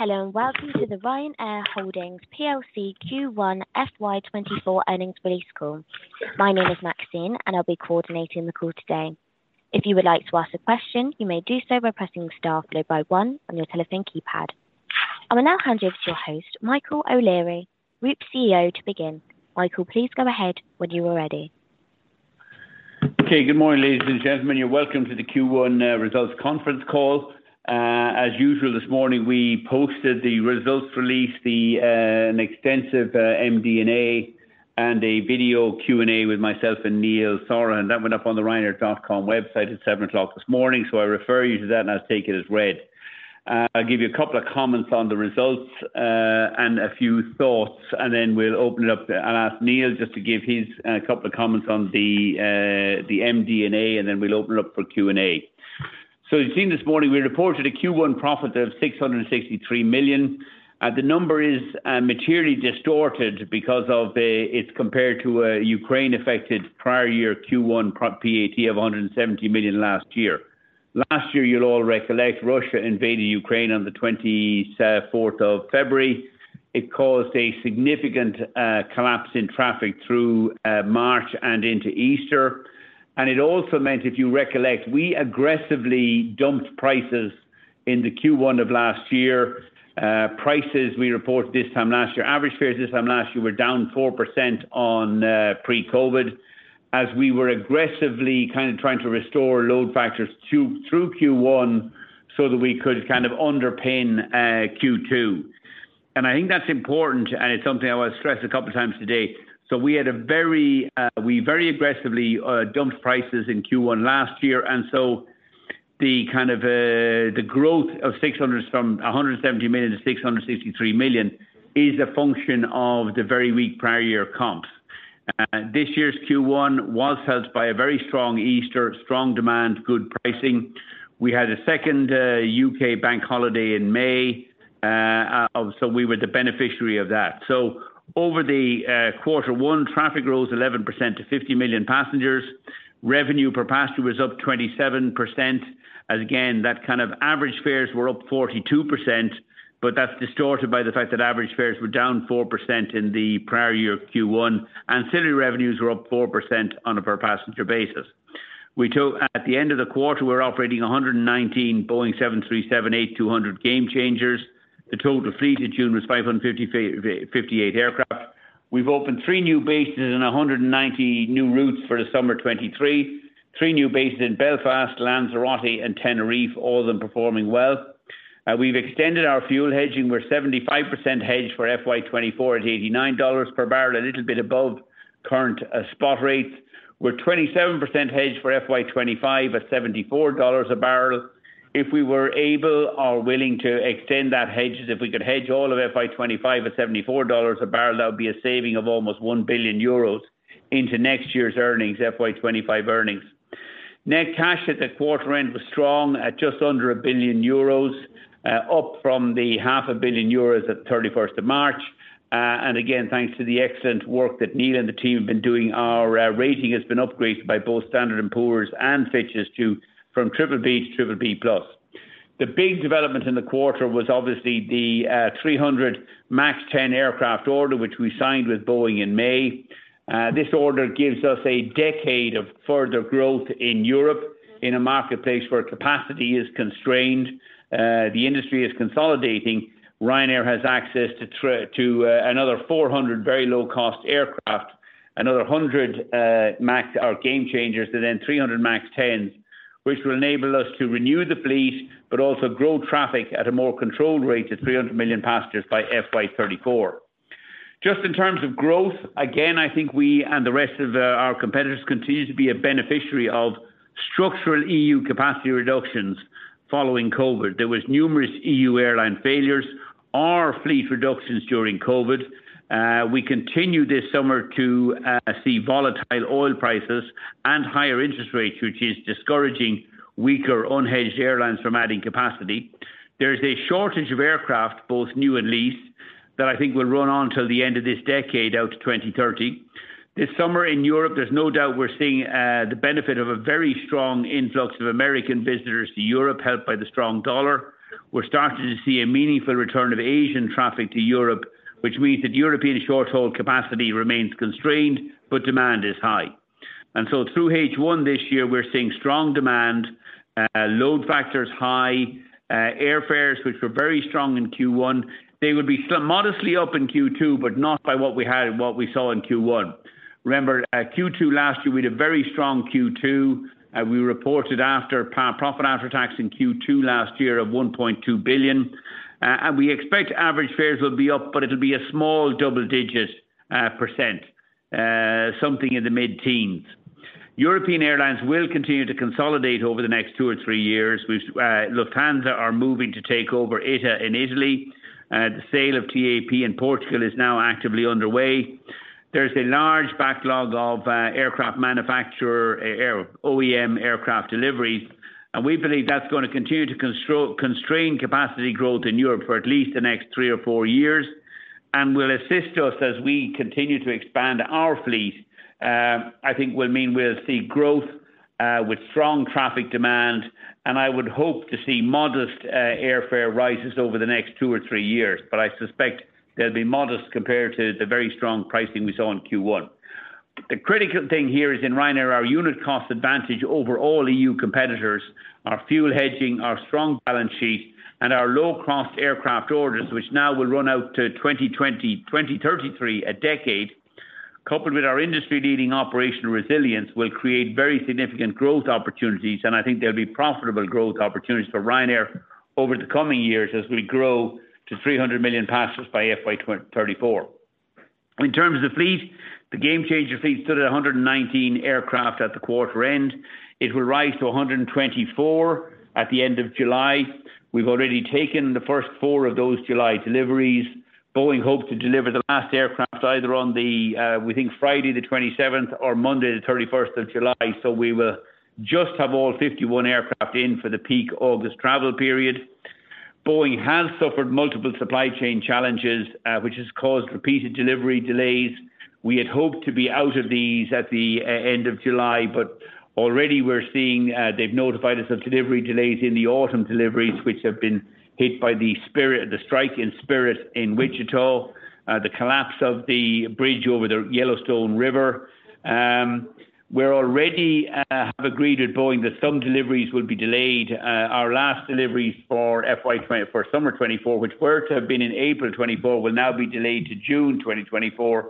Hello, welcome to the Ryanair Holdings plc Q1 FY 2024 Earnings Release Call. My name is Maxine. I'll be coordinating the call today. If you would like to ask a question, you may do so by pressing star followed by one on your telephone keypad. I will now hand you over to your host, Michael O'Leary, Group CEO, to begin. Michael, please go ahead when you are ready. Okay. Good morning, ladies and gentlemen, you're welcome to the Q1 results conference call. As usual, this morning, we posted the results release, the an extensive MD&A, and a video Q&A with myself and Neil Sorahan that went up on the Ryanair.com website at 7:00 A.M. this morning. I refer you to that, and I'll take it as read. I'll give you a couple of comments on the results and a few thoughts, and then we'll open it up and ask Neil just to give his couple of comments on the MD&A, and then we'll open it up for Q&A. As you've seen this morning, we reported a Q1 profit of 663 million. The number is materially distorted because it's compared to a Ukraine-affected prior year Q1 pro-PAT of 170 million last year. Last year, you'll all recollect, Russia invaded Ukraine on the 24th of February. It caused a significant collapse in traffic through March and into Easter. It also meant, if you recollect, we aggressively dumped prices into Q1 of last year. Prices we reported this time last year. Average fares this time last year were down 4% on pre-COVID, as we were aggressively kind of trying to restore load factors through Q1 so that we could kind of underpin Q2. I think that's important, and it's something I will stress a couple of times today. We had a very... We very aggressively dumped prices in Q1 last year. The kind of the growth of 600 from 170 million to 663 million is a function of the very weak prior year comps. This year's Q1 was helped by a very strong Easter, strong demand, and good pricing. We had a second UK bank holiday in May. We were the beneficiary of that. Over the quarter one, traffic rose 11% to 50 million passengers. Revenue per passenger was up 27%. As again, that kind of average fares were up 42%. That's distorted by the fact that average fares were down 4% in the prior year's Q1. Ancillary revenues were up 4% on a per passenger basis. At the end of the quarter, we were operating 119 Boeing 737-8200 Gamechangers. The total fleet in June was 558 aircraft. We've opened 3 new bases and 190 new routes for the summer of 2023. 3 new bases in Belfast, Lanzarote, and Tenerife, all of them performing well. We've extended our fuel hedging. We're 75% hedged for FY 2024 at $89 per barrel, a little bit above current spot rates. We're 27% hedged for FY 2025 at $74 a barrel. If we were able or willing to extend that hedge, if we could hedge all of FY 2025 at $74 a barrel, that would be a saving of almost 1 billion euros into next year's earnings, FY 2025 earnings. Net cash at the quarter end was strong at just under 1 billion euros, up from the half a billion euros at the 31st of March. Again, thanks to the excellent work that Neil and the team have been doing, our rating has been upgraded by both Standard & Poor's and Fitch's from BBB to BBB+. The big development in the quarter was obviously the 300 MAX 10 aircraft order, which we signed with Boeing in May. This order gives us a decade of further growth in Europe, in a marketplace where capacity is constrained; the industry is consolidating. Ryanair has access to another 400 very low-cost aircraft, another 100 MAX or Gamechangers, and then 300 MAX 10s, which will enable us to renew the fleet, but also grow traffic at a more controlled rate to 300 million passengers by FY 2034. Just in terms of growth, again, I think we and the rest of our competitors continue to be a beneficiary of structural EU capacity reductions following COVID. There was numerous EU airline failures or fleet reductions during COVID. We continue this summer to see volatile oil prices and higher interest rates, which is discouraging weaker unhedged airlines from adding capacity. There's a shortage of aircraft, both new and leased, that I think will run on till the end of this decade, out to 2030. This summer in Europe, there's no doubt we're seeing the benefit of a very strong influx of American visitors to Europe, helped by the strong dollar. We're starting to see a meaningful return of Asian traffic to Europe, which means that European short-haul capacity remains constrained, but demand is high. Through H1 this year, we're seeing strong demand, load factors, and high airfares, which were very strong in Q1; they would be modestly up in Q2, but not by what we had and what we saw in Q1. Remember, Q2 last year, we had a very strong Q2; we reported a profit after tax in Q2 last year of 1.2 billion. We expect average fares will be up, but it'll be a small double-digit %, something in the mid-teens. European airlines will continue to consolidate over the next two or three years, and which Lufthansa are moving to take over ITA in Italy. The sale of TAP in Portugal is now actively underway. There's a large backlog of aircraft manufacturer, OEM aircraft delivery, and we believe that's going to continue to constrain capacity growth in Europe for at least the next three or four years. will assist us as we continue to expand our fleet, I think will mean we'll see growth with strong traffic demand, and I would hope to see modest airfare rises over the next two or three years. I suspect they'll be modest compared to the very strong pricing we saw in Q1. The critical thing here is in Ryanair, our unit cost advantage over all EU competitors, our fuel hedging, our strong balance sheet, and our low-cost aircraft orders, which now will run out to 2020, 2033, a decade. Coupled with our industry-leading operational resilience, will create very significant growth opportunities, and I think there'll be profitable growth opportunities for Ryanair over the coming years as we grow to 300 million passengers by FY 2034. In terms of fleet, the Gamechanger fleet stood at 119 aircraft at the quarter end. It will rise to 124 at the end of July. We've already taken the first four of those July deliveries. Boeing hopes to deliver the last aircraft either on the, we think, Friday the 27th or Monday, the 31st of July, so we will just have all 51 aircraft in for the peak August travel period. Boeing has suffered multiple supply chain challenges, which has caused repeated delivery delays. We had hoped to be out of these at the end of July, but already we're seeing they've notified us of delivery delays in the autumn deliveries, which have been hit by the strike in Spirit in Wichita and the collapse of the bridge over the Yellowstone River. We already have agreed with Boeing that some deliveries will be delayed. Our last deliveries for FY for summer 2024, which were to have been in April 2024, will now be delayed to June 2024.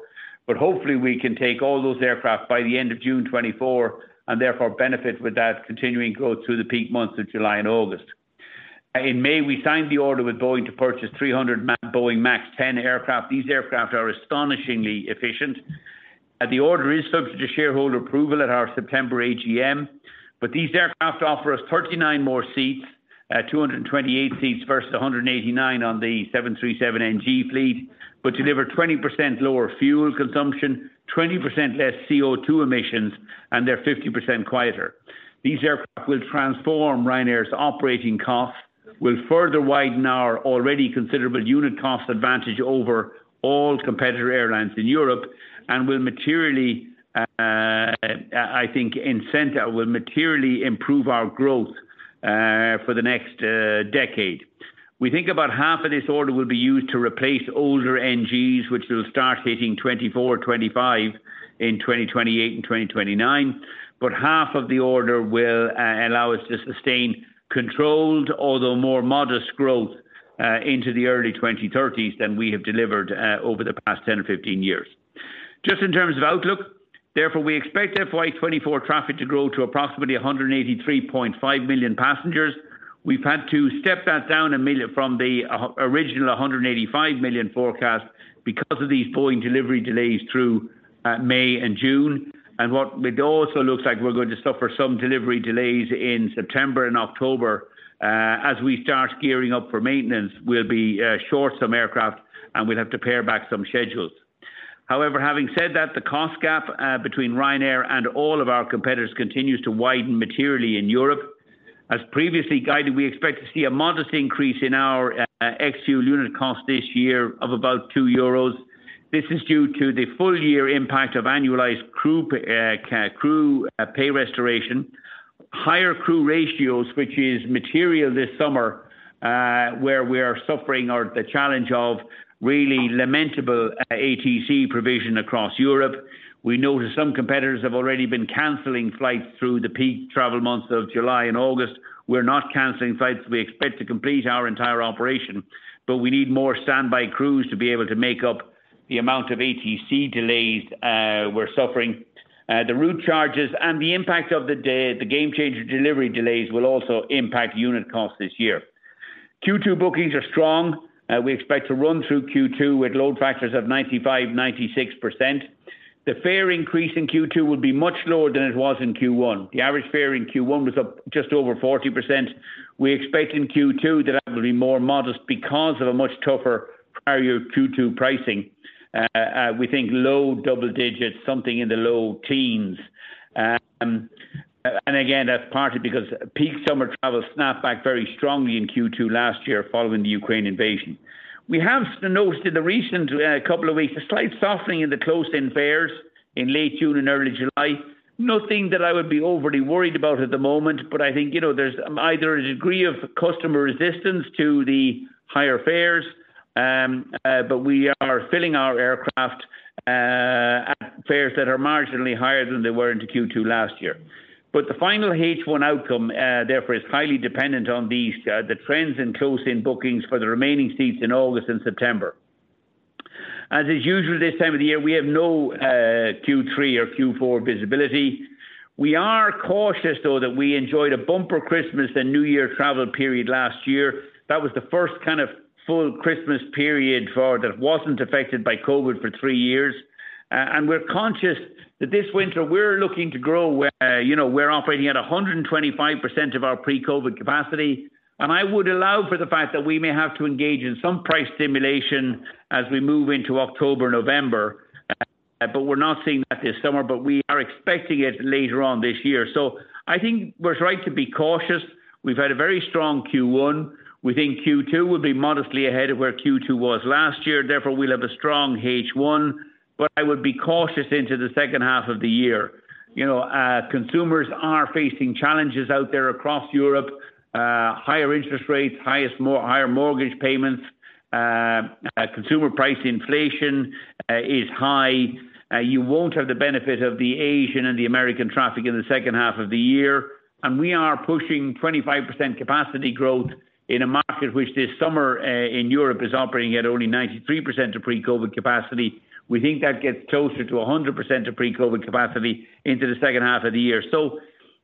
Hopefully, we can take all those aircraft by the end of June 2024 and therefore benefit with that continuing growth through the peak months of July and August. In May, we signed the order with Boeing to purchase 300 Boeing MAX 10 aircraft. These aircraft are astonishingly efficient. The order is subject to shareholder approval at our September AGM, but these aircraft offer us 39 more seats, 228 seats versus 189 on the 737 NG fleet, but deliver 20% lower fuel consumption, 20% less CO2 emissions, and they're 50% quieter. These aircraft will transform Ryanair's operating costs, will further widen our already considerable unit cost advantage over all competitor airlines in Europe, and will materially, I think, will materially improve our growth for the next decade. We think about half of this order will be used to replace older NGs, which will start hitting 24, 25 in 2028 and 2029. Half of the order will allow us to sustain controlled, although more modest growth into the early 2030s than we have delivered over the past 10 or 15 years. Just in terms of outlook, therefore, we expect FY 2024 traffic to grow to approximately 183.5 million passengers. We've had to step that down 1 million from the original 185 million forecast because of these Boeing delivery delays through May and June. What it also looks like is we're going to suffer some delivery delays in September and October. As we start gearing up for maintenance, we'll be short some aircraft, and we'll have to pare back some schedules. Having said that, the cost gap between Ryanair and all of our competitors continues to widen materially in Europe. As previously guided, we expect to see a modest increase in our ex-fuel unit cost this year of about 2 euros. This is due to the full-year impact of annualized crew pay restoration, higher crew ratios, which is material this summer, where we are suffering, or the challenge of really lamentable ATC provision across Europe. We notice some competitors have already been canceling flights through the peak travel months of July and August. We're not canceling flights. We expect to complete our entire operation; we need more standby crews to be able to make up the amount of ATC delays we're suffering. The route charges and the impact of the Gamechanger delivery delays will also impact unit costs this year. Q2 bookings are strong. We expect to run through Q2 with load factors of 95%-96%. The fare increase in Q2 will be much lower than it was in Q1. The average fare in Q1 was up just over 40%. We expect in Q2 that that will be more modest because of a much tougher prior Q2 pricing. We think low double digits, something in the low teens. And again, that's partly because peak summer travel snapped back very strongly in Q2 last year following the Ukraine invasion. We have noticed in the recent couple of weeks a slight softening in the close-in fares in late June and early July. Nothing that I would be overly worried about at the moment, but I think, you know, there's either a degree of customer resistance to the higher fares, but we are filling our aircraft at fares that are marginally higher than they were into Q2 last year. The final H1 outcome, therefore, is highly dependent on these the trends in close-in bookings for the remaining seats in August and September. As is usual this time of the year, we have no Q3 or Q4 visibility. We are cautious, though, that we enjoyed a bumper Christmas and New Year travel period last year. That was the first kind of full Christmas period that wasn't affected by COVID for three years. We're conscious that this winter we're looking to grow, you know, we're operating at 125% of our pre-COVID capacity, and I would allow for the fact that we may have to engage in some price stimulation as we move into October, November. We're not seeing that this summer, but we are expecting it later on this year. I think we're right to be cautious. We've had a very strong Q1. We think Q2 will be modestly ahead of where Q2 was last year. We'll have a strong H1, but I would be cautious into the second half of the year. You know, consumers are facing challenges out there across Europe, higher interest rates, higher mortgage payments, consumer price inflation is high. You won't have the benefit of the Asian and the American traffic in the second half of the year. We are pushing 25% capacity growth in a market which this summer, in Europe, is operating at only 93% of pre-COVID capacity. We think that gets closer to 100% of pre-COVID capacity into the second half of the year.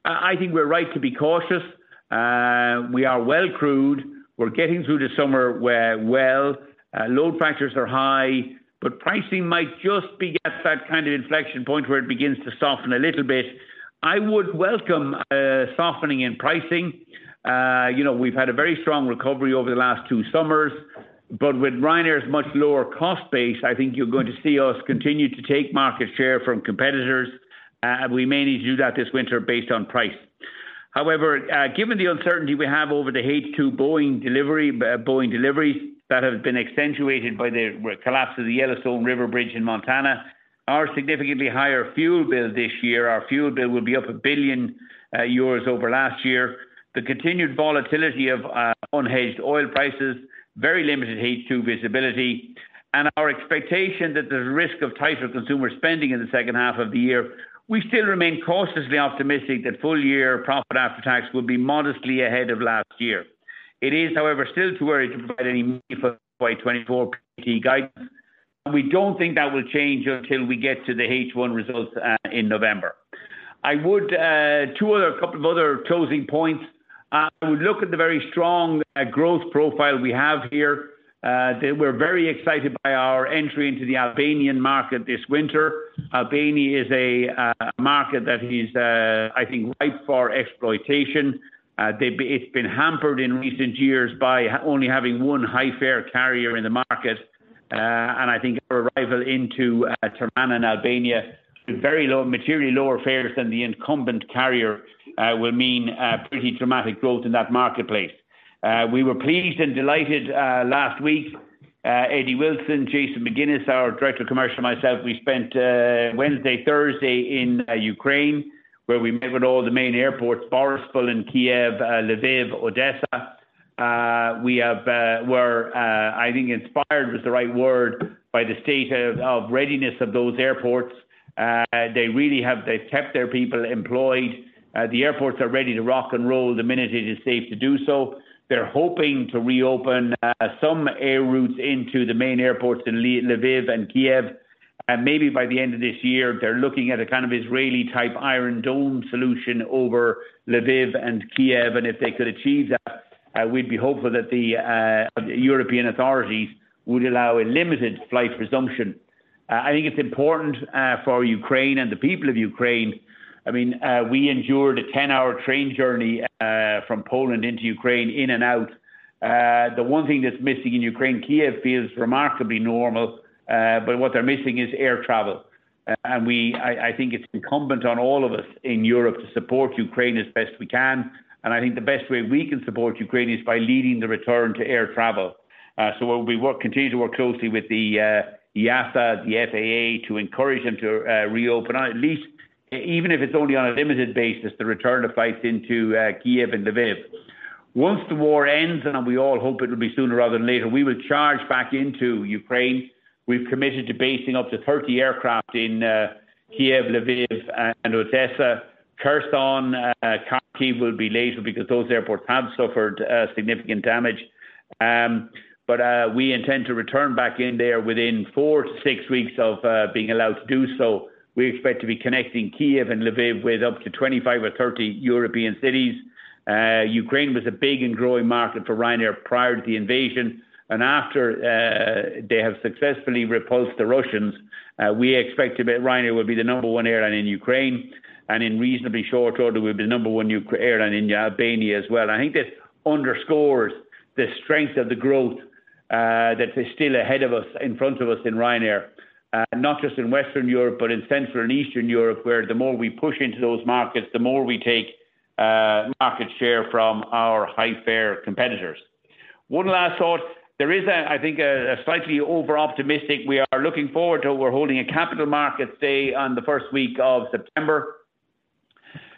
I think we're right to be cautious. We are well crewed. We're getting through the summer; load factors are high, but pricing might just be at that kind of inflection point where it begins to soften a little bit. I would welcome a softening in pricing. you know, we've had a very strong recovery over the last two summers. With Ryanair's much lower cost base, I think you're going to see us continue to take market share from competitors. We may need to do that this winter based on price. However, given the uncertainty we have over the H2 Boeing delivery, that has been accentuated by the collapse of the Yellowstone River Bridge in Montana. Our significantly higher fuel bill this year, our fuel bill will be up 1 billion euros over last year. The continued volatility of unhedged oil prices, very limited H2 visibility, and our expectation that the risk of tighter consumer spending in the second half of the year, we still remain cautiously optimistic that full year profit after tax will be modestly ahead of last year. It is, however, still too early to provide any meaningful by 2024 PT guidance, and we don't think that will change until we get to the H1 results in November. I would, couple of other closing points. We look at the very strong growth profile we have here. We're very excited by our entry into the Albanian market this winter. Albania is a market that is, I think, ripe for exploitation. It's been hampered in recent years by only having one high-fare carrier in the market, and I think our arrival into Tirana in Albania, with very low, materially lower fares than the incumbent carrier, will mean pretty dramatic growth in that marketplace. We were pleased and delighted last week, Eddie Wilson, Jason McGuinness, our Director of Commercial, and myself, we spent Wednesday, Thursday in Ukraine, where we met with all the main airports: Boryspil, and Kyiv, Lviv, and Odessa. We have, were, I think, inspired, was the right word, by the state of readiness of those airports. They've kept their people employed. The airports are ready to rock and roll the minute it is safe to do so. They're hoping to reopen some air routes into the main airports in Lviv and Kyiv. Maybe by the end of this year, they're looking at a kind of Israeli-type Iron Dome solution over Lviv and Kyiv, and if they could achieve that, we'd be hopeful that the European authorities would allow a limited flight resumption. I think it's important for Ukraine and the people of Ukraine. I mean, we endured a 10-hour train journey from Poland into Ukraine, in and out. The one thing that's missing in Ukraine, Kyiv feels remarkably normal, but what they're missing is air travel. I think it's incumbent on all of us in Europe to support Ukraine as best we can, and I think the best way we can support Ukraine is by leading the return to air travel. We'll continue to work closely with the IASA, the FAA, to encourage them to reopen, at least, even if it's only on a limited basis, the return of flights into Kyiv and Lviv. Once the war ends, and we all hope it will be sooner rather than later, we will charge back into Ukraine. We've committed to basing up to 30 aircraft in Kyiv, Lviv, and Odessa. Kherson, Kharkiv will be later because those airports have suffered significant damage. We intend to return back in there within four to six weeks of being allowed to do so. We expect to be connecting Kyiv and Lviv with up to 25 or 30 European cities. Ukraine was a big and growing market for Ryanair prior to the invasion. After they have successfully repulsed the Russians, we expect that Ryanair will be the number one airline in Ukraine, and in reasonably short order, we'll be the number one airline in Albania as well. I think this underscores the strength of the growth that is still ahead of us, in front of us in Ryanair. Not just in Western Europe, but in Central and Eastern Europe, where the more we push into those markets, the more we take market share from our high fare competitors. One last thought. There is, I think, a slightly overoptimistic we are looking forward to. We're holding a capital market day on the first week of September.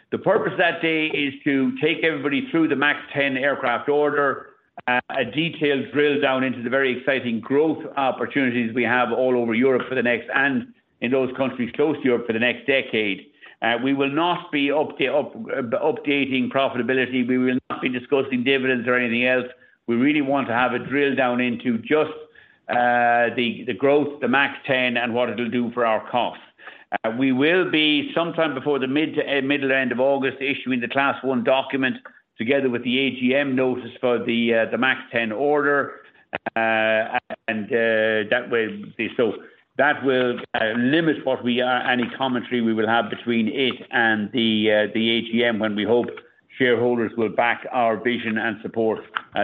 The purpose of that day is to take everybody through the MAX 10 aircraft order, a detailed drill down into the very exciting growth opportunities we have all over Europe for the next, and in those countries close to Europe for the next decade. We will not be updating profitability. We will not be discussing dividends or anything else. We really want to have a drill down into just the growth, the MAX 10, and what it'll do for our costs. We will be, sometime before the mid-to-middle to end of August, issuing the Class One document together with the AGM notice for the MAX 10 order. That will limit what we are, any commentary we will have between it and the AGM, when shareholders will back our vision and support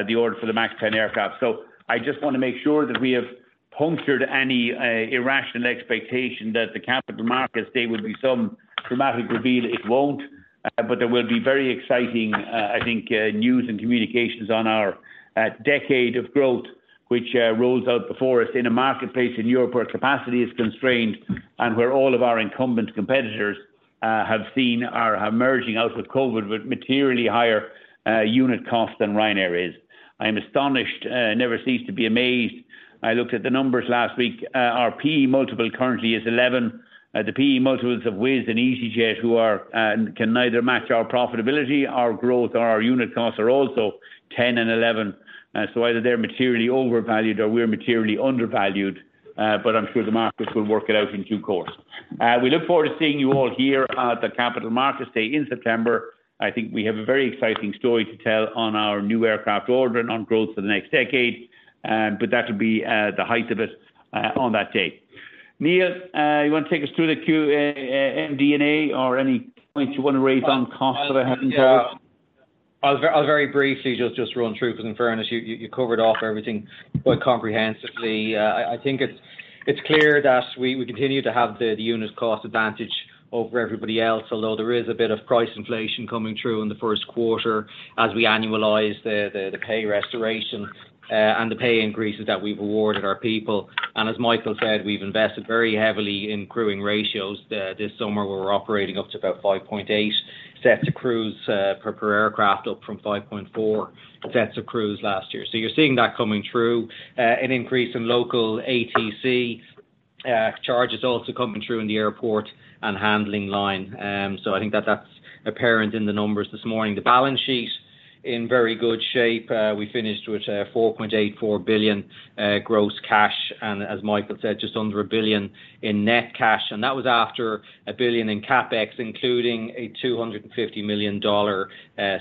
the order for the MAX 10 aircraft. I just want to make sure that we have punctured any irrational expectation that the Capital Markets Day will be some dramatic reveal. It won't; there will be very exciting, I think, news and communications on our decade of growth, which rolls out before us in a marketplace in Europe, where capacity is constrained and where all of our incumbent competitors have seen or are emerging out of COVID with materially higher unit costs than Ryanair is. I'm astonished; I never cease to be amazed. I looked at the numbers last week. Our P/E multiple currently is 11. The P/E multiples of Wizz and easyJet, who are can neither match our profitability, our growth, or our unit costs, are also 10 and 11. Either they're materially overvalued or we're materially undervalued, but I'm sure the markets will work it out in due course. We look forward to seeing you all here at the Capital Markets Day in September. I think we have a very exciting story to tell on our new aircraft order and on growth for the next decade. That will be the height of it on that day. Neil, you want to take us through the Q, A and DNA or any points you want to raise on costs that I haven't raised? I'll very briefly just run through, because in fairness, you covered off everything quite comprehensively. I think it's clear that we continue to have the unit cost advantage over everybody else, although there is a bit of price inflation coming through in the first quarter as we annualize the pay restoration and the pay increases that we've awarded our people. As Michael said, we've invested very heavily in growing ratios. This summer, we're operating up to about 5.8 sets of crews per aircraft, up from 5.4 sets of crews last year. You're seeing that coming through. An increase in local ATC charges is also coming through in the airport and handling line. I think that's apparent in the numbers this morning. The balance sheet in very good shape. We finished with 4.84 billion gross cash, and as Michael said, just under 1 billion in net cash. That was after 1 billion in CapEx, including a $250 million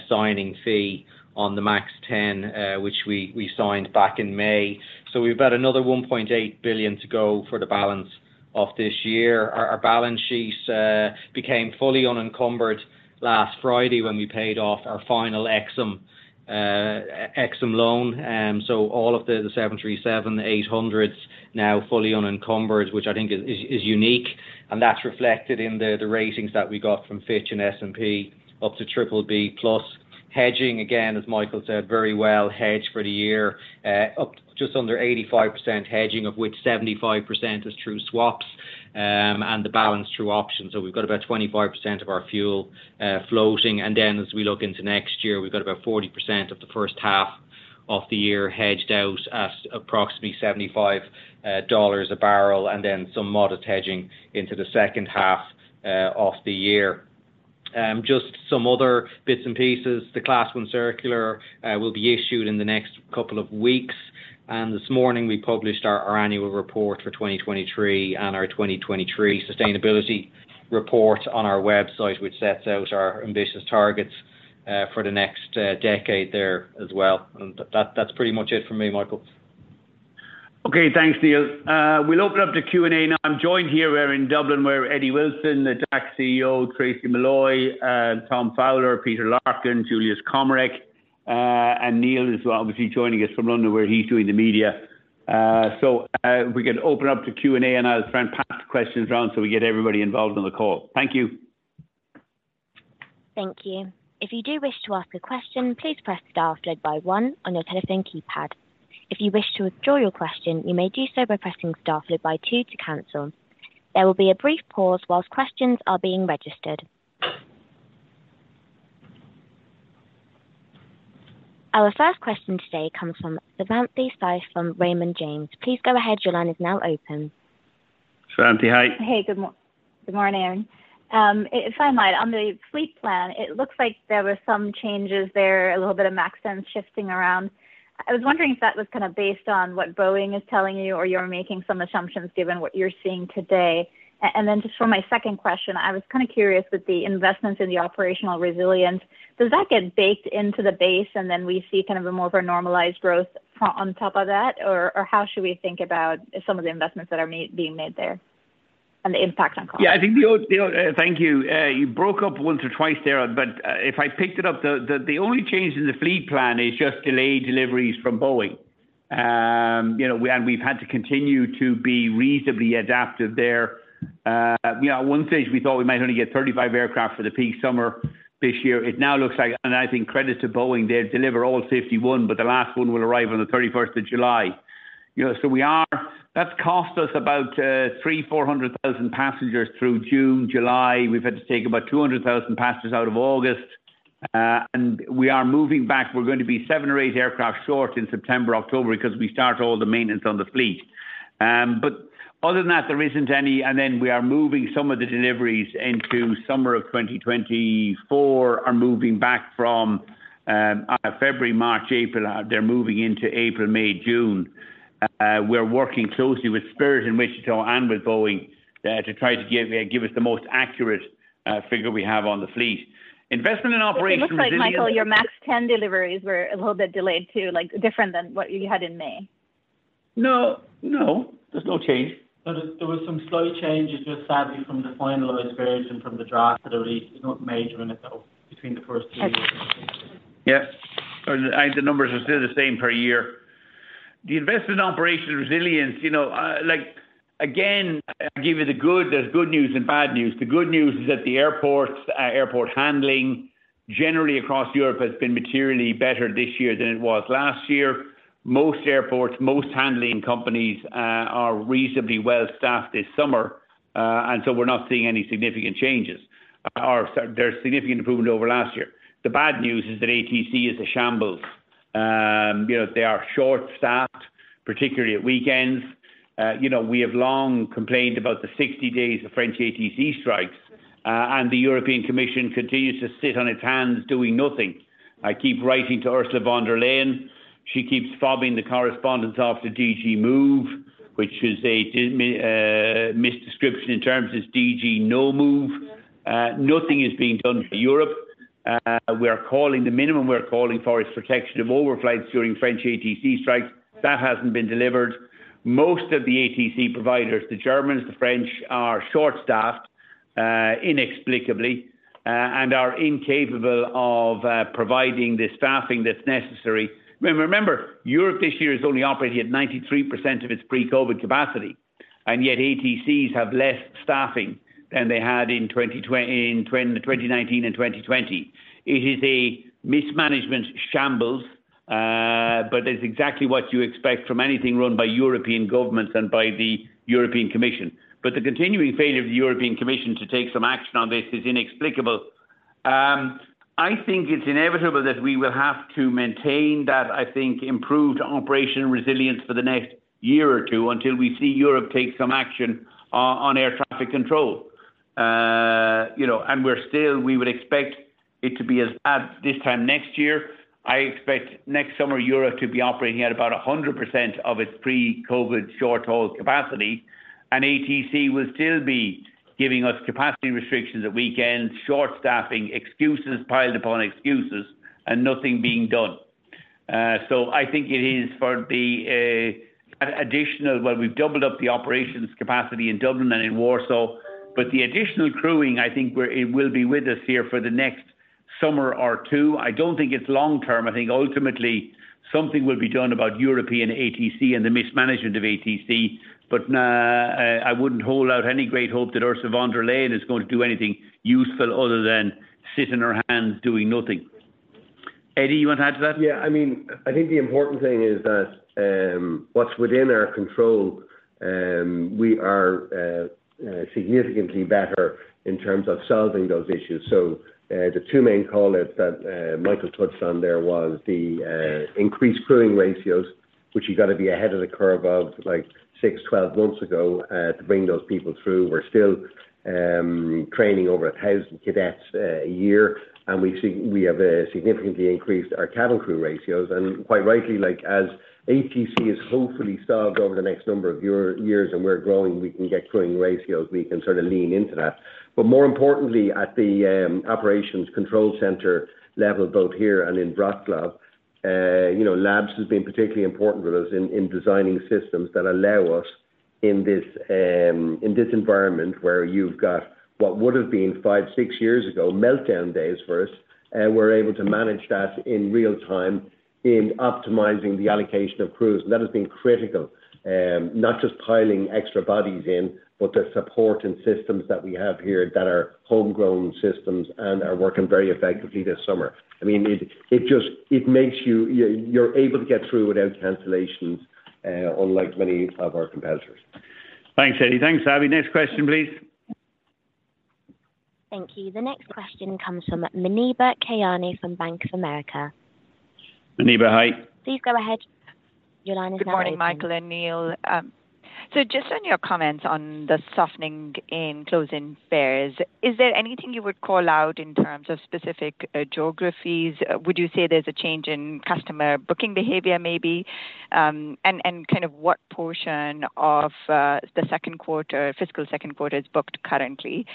signing fee on the MAX 10, which we signed back in May. We've about another 1.8 billion to go for the balance of this year. Our balance sheet became fully unencumbered last Friday when we paid off our final EXIM loan. All of the 737s, the 800s, now fully unencumbered, which I think is unique, and that's reflected in the ratings that we got from Fitch and S&P, up to BBB+. Hedging, again, as Michael O'Leary said, very well hedged for the year, up just under 85% hedging, of which 75% is through swaps, and the balance through options. We've got about 25% of our fuel floating. As we look into next year, we've got about 40% of the first half of the year hedged out at approximately $75 a barrel, and then some modest hedging into the second half of the year. Just some other bits and pieces. The Class 1 circular will be issued in the next couple of weeks. This morning, we published our annual report for 2023 and our 2023 sustainability report on our website, which sets out our ambitious targets for the next decade there as well. That's pretty much it for me, Michael O'Leary. Okay, thanks, Neil. We'll open up to Q&A now. I'm joined here. We're in Dublin, where Eddie Wilson, the DAC CEO, Tracey McCann, Thomas Fowler, Peter Larkin, Juliusz Komorek, and Neil is obviously joining us from London, where he's doing the media. We can open up to Q&A, and I'll try and pass the questions around so we get everybody involved on the call. Thank you. Thank you. If you do wish to ask a question, please press star followed by one on your telephone keypad. If you wish to withdraw your question, you may do so by pressing star followed by two to cancel. There will be a brief pause while questions are being registered. Our first question today comes from Savanthi Syth from Raymond James. Please go ahead. Your line is now open. Savanthi, hi. Hey, good morning, Aaron. If I might, on the fleet plan, it looks like there were some changes there, a little bit of MAX 10 shifting around. I was wondering if that was kind of based on what Boeing is telling you, or if you're making some assumptions given what you're seeing today. Then, just for my second question, I was kind of curious: with the investments in the operational resilience, does that get baked into the base, and then we see kind of a more of a normalized growth on top of that? How should we think about some of the investments that are made, being made there, and the impact on cost? Yeah, I think. Thank you. You broke up once or twice there, but if I picked it up, the only change in the fleet plan is just delayed deliveries from Boeing. You know, we've had to continue to be reasonably adaptive there. You know, at one stage, we thought we might only get 35 aircraft for the peak summer this year. It now looks like. I think credit to Boeing; they'll deliver all 51, but the last one will arrive on the 31st of July. You know, so that's cost us about 300,000-400,000 passengers through June, July. We've had to take about 200,000 passengers out of August, and we are moving back. We're going to be seven or eight aircraft short in September, October because we start all the maintenance on the fleet. Other than that, we are moving some of the deliveries into summer of 2024, are moving back from February, March, April. They're moving into April, May, June. We're working closely with Spirit in Wichita and with Boeing to try to give us the most accurate figure we have on the fleet. Investment in operations. It looks like, Michael, your MAX 10 deliveries were a little bit delayed too, like different than what you had in May? No, no, there's no change. No, there was some slight changes just sadly from the finalized version, from the draft that are released. Nothing major in it, though, between the first two years. Okay. Yeah. The numbers are still the same per year. The investment operations resilience, you know, like again, I'll give you the good. There's good news and bad news. The good news is that the airports, airport handling generally across Europe has been materially better this year than it was last year. Most airports, most handling companies are reasonably well staffed this summer, and so we're not seeing any significant changes, or there's significant improvement over last year. The bad news is that ATC is a shambles. You know, they are short-staffed, particularly at weekends. You know, we have long complained about the 60 days of French ATC strikes, and the European Commission continues to sit on its hands, doing nothing. I keep writing to Ursula von der Leyen. She keeps fobbing the correspondence off to DG MOVE, which is a misdescription in terms of DG, no move. Nothing is being done for Europe. The minimum we're calling for is protection of overflights during French ATC strikes. That hasn't been delivered. Most of the ATC providers, the Germans, the French, are short-staffed, inexplicably, and are incapable of providing the staffing that's necessary. Remember, Europe this year is only operating at 93% of its pre-COVID capacity, and yet ATCs have less staffing than they had in 2019 and 2020. It is a mismanagement shambles, but it's exactly what you expect from anything run by European governments and by the European Commission. The continuing failure of the European Commission to take some action on this is inexplicable. I think it's inevitable that we will have to maintain that, I think, improved operational resilience for the next year or two until we see Europe take some action on air traffic control. You know, we would expect it to be as at this time next year. I expect next summer, Europe to be operating at about 100% of its pre-COVID short-haul capacity, and ATC will still be giving us capacity restrictions at weekends, short staffing, excuses piled upon excuses, and nothing being done. I think it is for the well. We've doubled up the operations capacity in Dublin and in Warsaw, but the additional crewing, I think, where it will be with us here for the next summer or two. I don't think it's long-term. I think ultimately something will be done about European ATC and the mismanagement of ATC. I wouldn't hold out any great hope that Ursula von der Leyen is going to do anything useful other than sit in her hands doing nothing. Eddie, do you want to add to that? Yeah. I mean, I think the important thing is that what's within our control, we are significantly better in terms of solving those issues. The two main call-outs that Michael touched on there was the increased crewing ratios, which you got to be ahead of the curve of, like, 6, 12 months ago, to bring those people through. We're still training over 1,000 cadets a year; we have significantly increased our cabin crew ratios. Quite rightly, like, as ATC is hopefully staffed over the next number of years, and we're growing, we can get crewing ratios, we can sort of lean into that. More importantly, at the operations control center level, both here and in Wrocław, you know, Labs has been particularly important for us in designing systems that allow us, in this environment where you've got what would have been five, six years ago meltdown days for us, we're able to manage that in real time in optimizing the allocation of crews. That has been critical. Not just piling extra bodies in, but the support and systems that we have here that are homegrown systems and are working very effectively this summer. I mean, it just, it makes you able to get through without cancellations, unlike many of our competitors. Thanks, Eddie. Thanks, Savanthi. Next question, please. Thank you. The next question comes from Muneeba Kayani from Bank of America. Muneeba, hi. Please go ahead. Your line is now open. Good morning, Michael and Neil. Just on your comments on the softening in closing fares, is there anything you would call out in terms of specific geographies? Would you say there's a change in customer booking behavior, maybe? And kind of what portion of the second quarter, fiscal second quarter, is booked currently?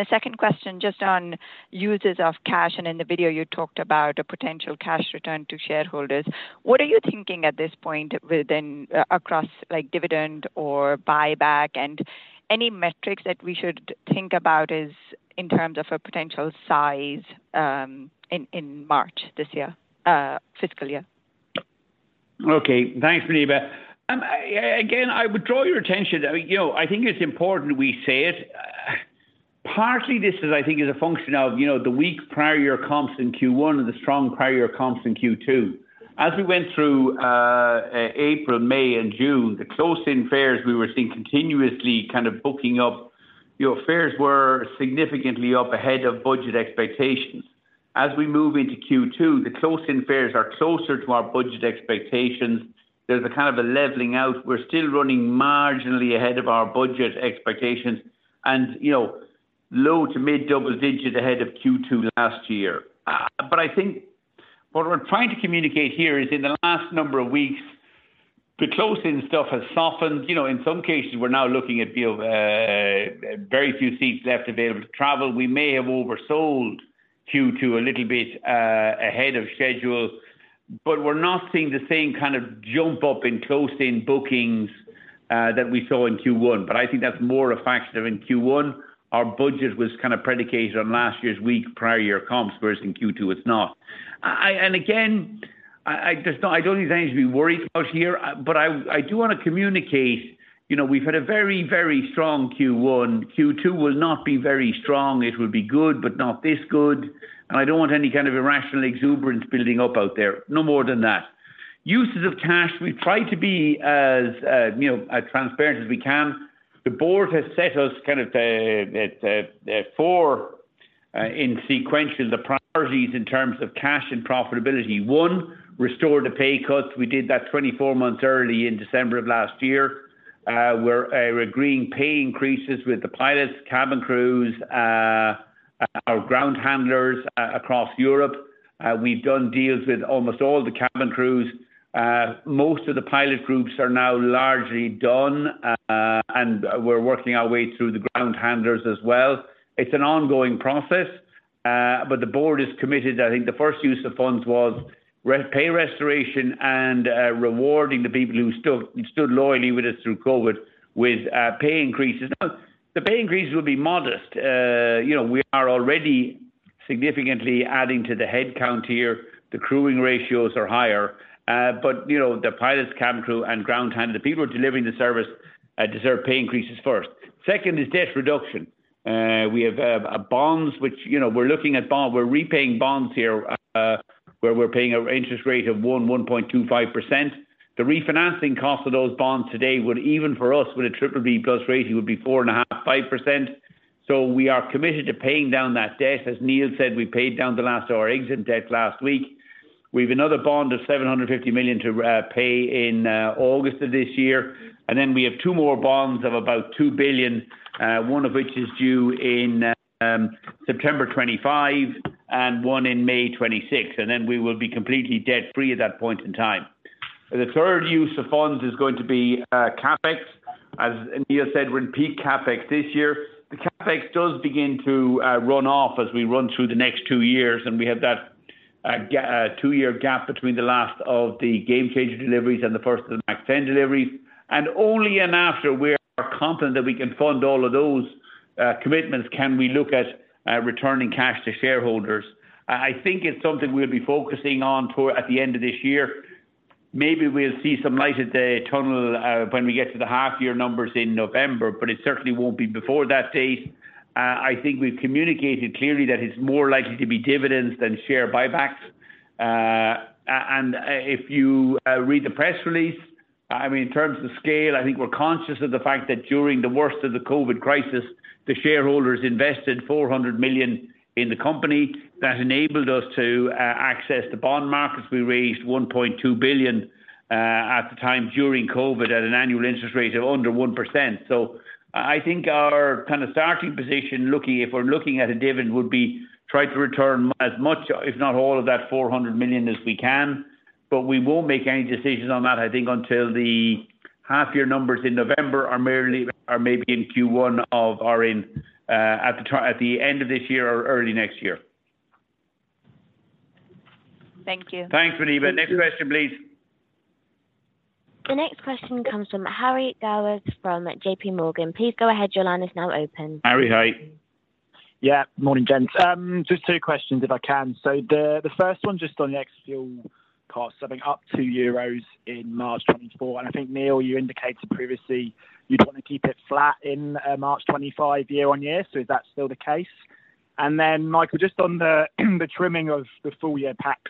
The second question, just on uses of cash, in the video you talked about a potential cash return to shareholders. What are you thinking at this point, within, across, like, dividend or buyback? Any metrics that we should think about is in terms of a potential size, in March this year, fiscal year? Okay. Thanks, Muneeba. Again, I would draw your attention... I mean, you know, I think it's important we say it. Partly, this is, I think, is a function of, you know, the weak prior year comps in Q1 and the strong prior year comps in Q2. As we went through April, May, and June, the close-in fares we were seeing continuously kind of booking up. Your fares were significantly up ahead of budget expectations. As we move into Q2, the close-in fares are closer to our budget expectations. There's a kind of a leveling out. We're still running marginally ahead of our budget expectations and, you know, low to mid double digits ahead of Q2 last year. I think what we're trying to communicate here is in the last number of weeks, the close-in stuff has softened. You know, in some cases, we're now looking at, you know, very few seats left to be able to travel. We may have oversold Q2 a little bit ahead of schedule, but we're not seeing the same kind of jump up in closed-in bookings that we saw in Q1. I think that's more a factor in Q1. Our budget was kind of predicated on last year's week, prior year comps, versus in Q2; it's not. Again, I just don't think there's anything to be worried about here. I do want to communicate, you know, we've had a very, very strong Q1. Q2 will not be very strong. It will be good, but not this good. I don't want any kind of irrational exuberance building up out there. No more than that. Uses of cash, we try to be as, you know, as transparent as we can. The board has set us kind of four in sequential, the priorities in terms of cash and profitability. One, restore the pay cuts. We did that 24 months early in December of last year. We're agreeing to pay increases with the pilots, cabin crews, our ground handlers across Europe. We've done deals with almost all the cabin crews. Most of the pilot groups are now largely done, and we're working our way through the ground handlers as well. It's an ongoing process, but the board is committed. I think the first use of funds was pay restoration and rewarding the people who stood loyally with us through COVID with pay increases. Now, the pay increases will be modest. You know, we are already significantly adding to the headcount here. The crewing ratios are higher, but, you know, the pilots, cabin crew, and ground handler, the people who are delivering the service, deserve pay increases first. Second is debt reduction. We have a bonds which, you know, we're repaying bonds here, where we're paying an interest rate of 1.25%. The refinancing cost of those bonds today would, even for us, with a BBB+ rating, would be 4.5%-5%. We are committed to paying down that debt. As Neil said, we paid down the last of our exit debt last week. We have another bond of 750 million to pay in August of this year. Then we have two more bonds of about 2 billion, one of which is due in September 2025 and one in May 2026. Then we will be completely debt-free at that point in time. The third use of funds is going to be CapEx. As Neil said, we're in peak CapEx this year. The CapEx does begin to run off as we run through the next two years, and we have that two-year gap between the last of the Gamechanger deliveries and the first of the MAX 10 deliveries. Only after we're confident that we can fund all of those commitments, can we look at returning cash to shareholders. I think it's something we'll be focusing on toward the end of this year. Maybe we'll see some light at the tunnel when we get to the half-year numbers in November, but it certainly won't be before that date. I think we've communicated clearly that it's more likely to be dividends than share buybacks. If you read the press release, I mean, in terms of scale, I think we're conscious of the fact that during the worst of the COVID crisis, the shareholders invested 400 million in the company. That enabled us to access the bond markets. We raised 1.2 billion at the time during COVID at an annual interest rate of under 1%. I think our kind of starting position, if we're looking at a dividend, would be try to return as much, if not all, of that 400 million, as we can. We won't make any decisions on that, I think, until the half-year numbers in November are merely or maybe in Q1 of our in, at the end of this year or early next year. Thank you. Thanks, Muneeba. Next question, please. The next question comes from Harry Gowers from JPMorgan. Please go ahead. Your line is now open. Harry, hi. Morning, gents. Just two questions, if I can. The first one, just on the ex-fuel costs, I think up 2 euros in March 2024, and I think, Neil, you indicated previously you'd want to keep it flat in March 2025, year on year. Is that still the case? Michael, just on the trimming of the full-year PAX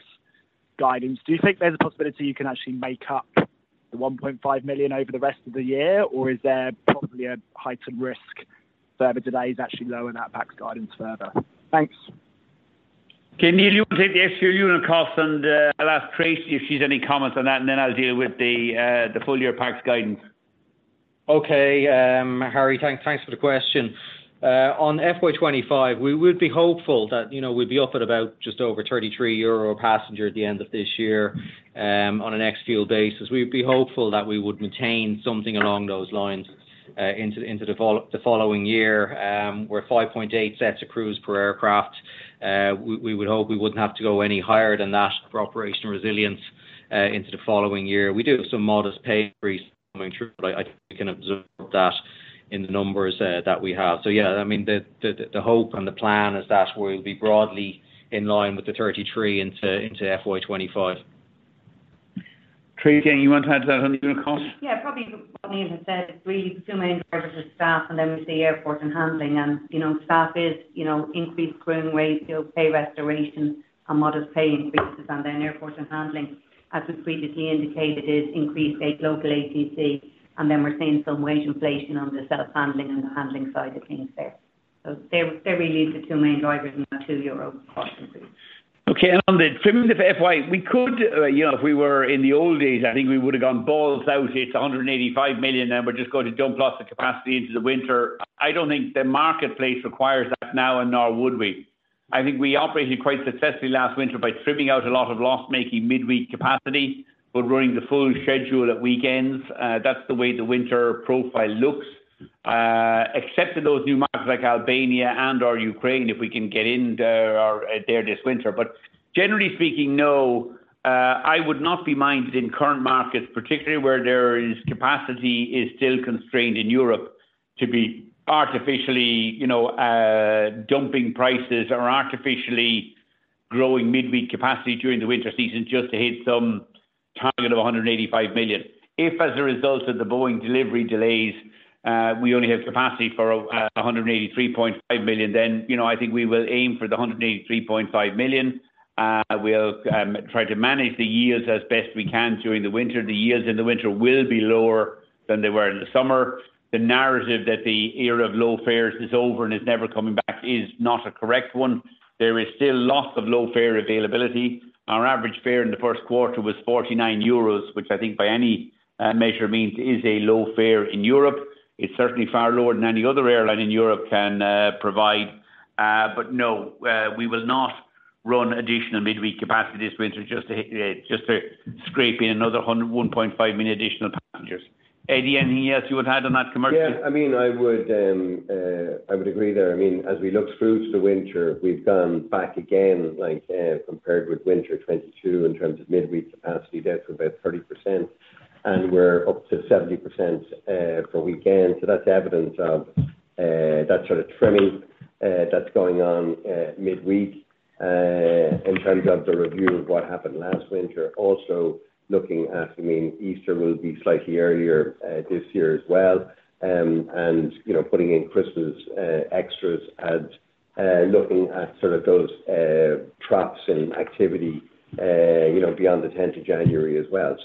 guidance, do you think there's a possibility you can actually make up the 1.5 million over the rest of the year? Or is there probably a heightened risk further today to actually lower that PAX guidance further? Thanks. Neil, you want to take the ex-fuel unit costs, and I'll ask Tracey if she has any comments on that, and then I'll deal with the full-year PAX guidance. Okay, Harry, thanks for the question. On FY 2025, we would be hopeful that, you know, we'd be up at about just over 33 euro per passenger at the end of this year, on an ex-fuel basis. We'd be hopeful that we would maintain something along those lines into the following year. We're 5.8 sets of crews per aircraft. We would hope we wouldn't have to go any higher than that for operational resilience into the following year. We do have some modest pay increases coming through, but I think we can observe that in the numbers that we have. Yeah, I mean, the hope and the plan is that we'll be broadly in line with the 33 into FY 2025. Tracey, do you want to add to that on the unit cost? Yeah, probably what Neil has said, it's really two main drivers of staff, and then we see airport and handling. You know, staff is, you know, increasing growing rates, you know, pay restoration and modest pay increases, and then airport and handling. As we previously indicated, it's increased late local ATC, and then we're seeing some wage inflation on the self-handling and the handling side of things there. There really are the two main drivers in that 2 euro cost increase. Okay. On the trimming of FY, we could, you know, if we were in the old days, I think we would have gone balls out. It's 185 million, and we're just going to dump lots of capacity into the winter. I don't think the marketplace requires that now, and nor would we. I think we operated quite successfully last winter by trimming out a lot of loss, making midweek capacity, but running the full schedule at weekends. That's the way the winter profile looks, except in those new markets like Albania and/or Ukraine, if we can get in there or there this winter. Generally speaking, no. I would not be minded in current markets, particularly where there is capacity, is still constrained in Europe to be artificially, you know, dumping prices or artificially growing midweek capacity during the winter season, just to hit some target of 185 million. If as a result of the Boeing delivery delays, we only have capacity for 183.5 million, you know, I think we will aim for the 183.5 million. We'll try to manage the years as best we can during the winter. The years in the winter will be lower than they were in the summer. The narrative that the era of low fares is over and is never coming back is not a correct one. There is still lots of low fare availability. Our average fare in the first quarter was 49 euros, which I think by any measure means it is a low fare in Europe. It's certainly far lower than any other airline in Europe can provide. No, we will not run additional midweek capacity this winter just to scrape in another 101.5 million additional passengers. Eddie, anything else you would add on that commercial? Yeah, I mean, I would, I would agree there. I mean, as we look through to the winter, we've gone back again, like, compared with winter 2022 in terms of midweek capacity, down to about 30%, and we're up to 70% for the weekend. That's evidence of that sort of trimming that's going on midweek. In terms of the review of what happened last winter, also looking at, I mean, Easter will be slightly earlier this year as well. You know, putting in Christmas extras and looking at sort of those traps and activity, you know, beyond the 10th of January as well.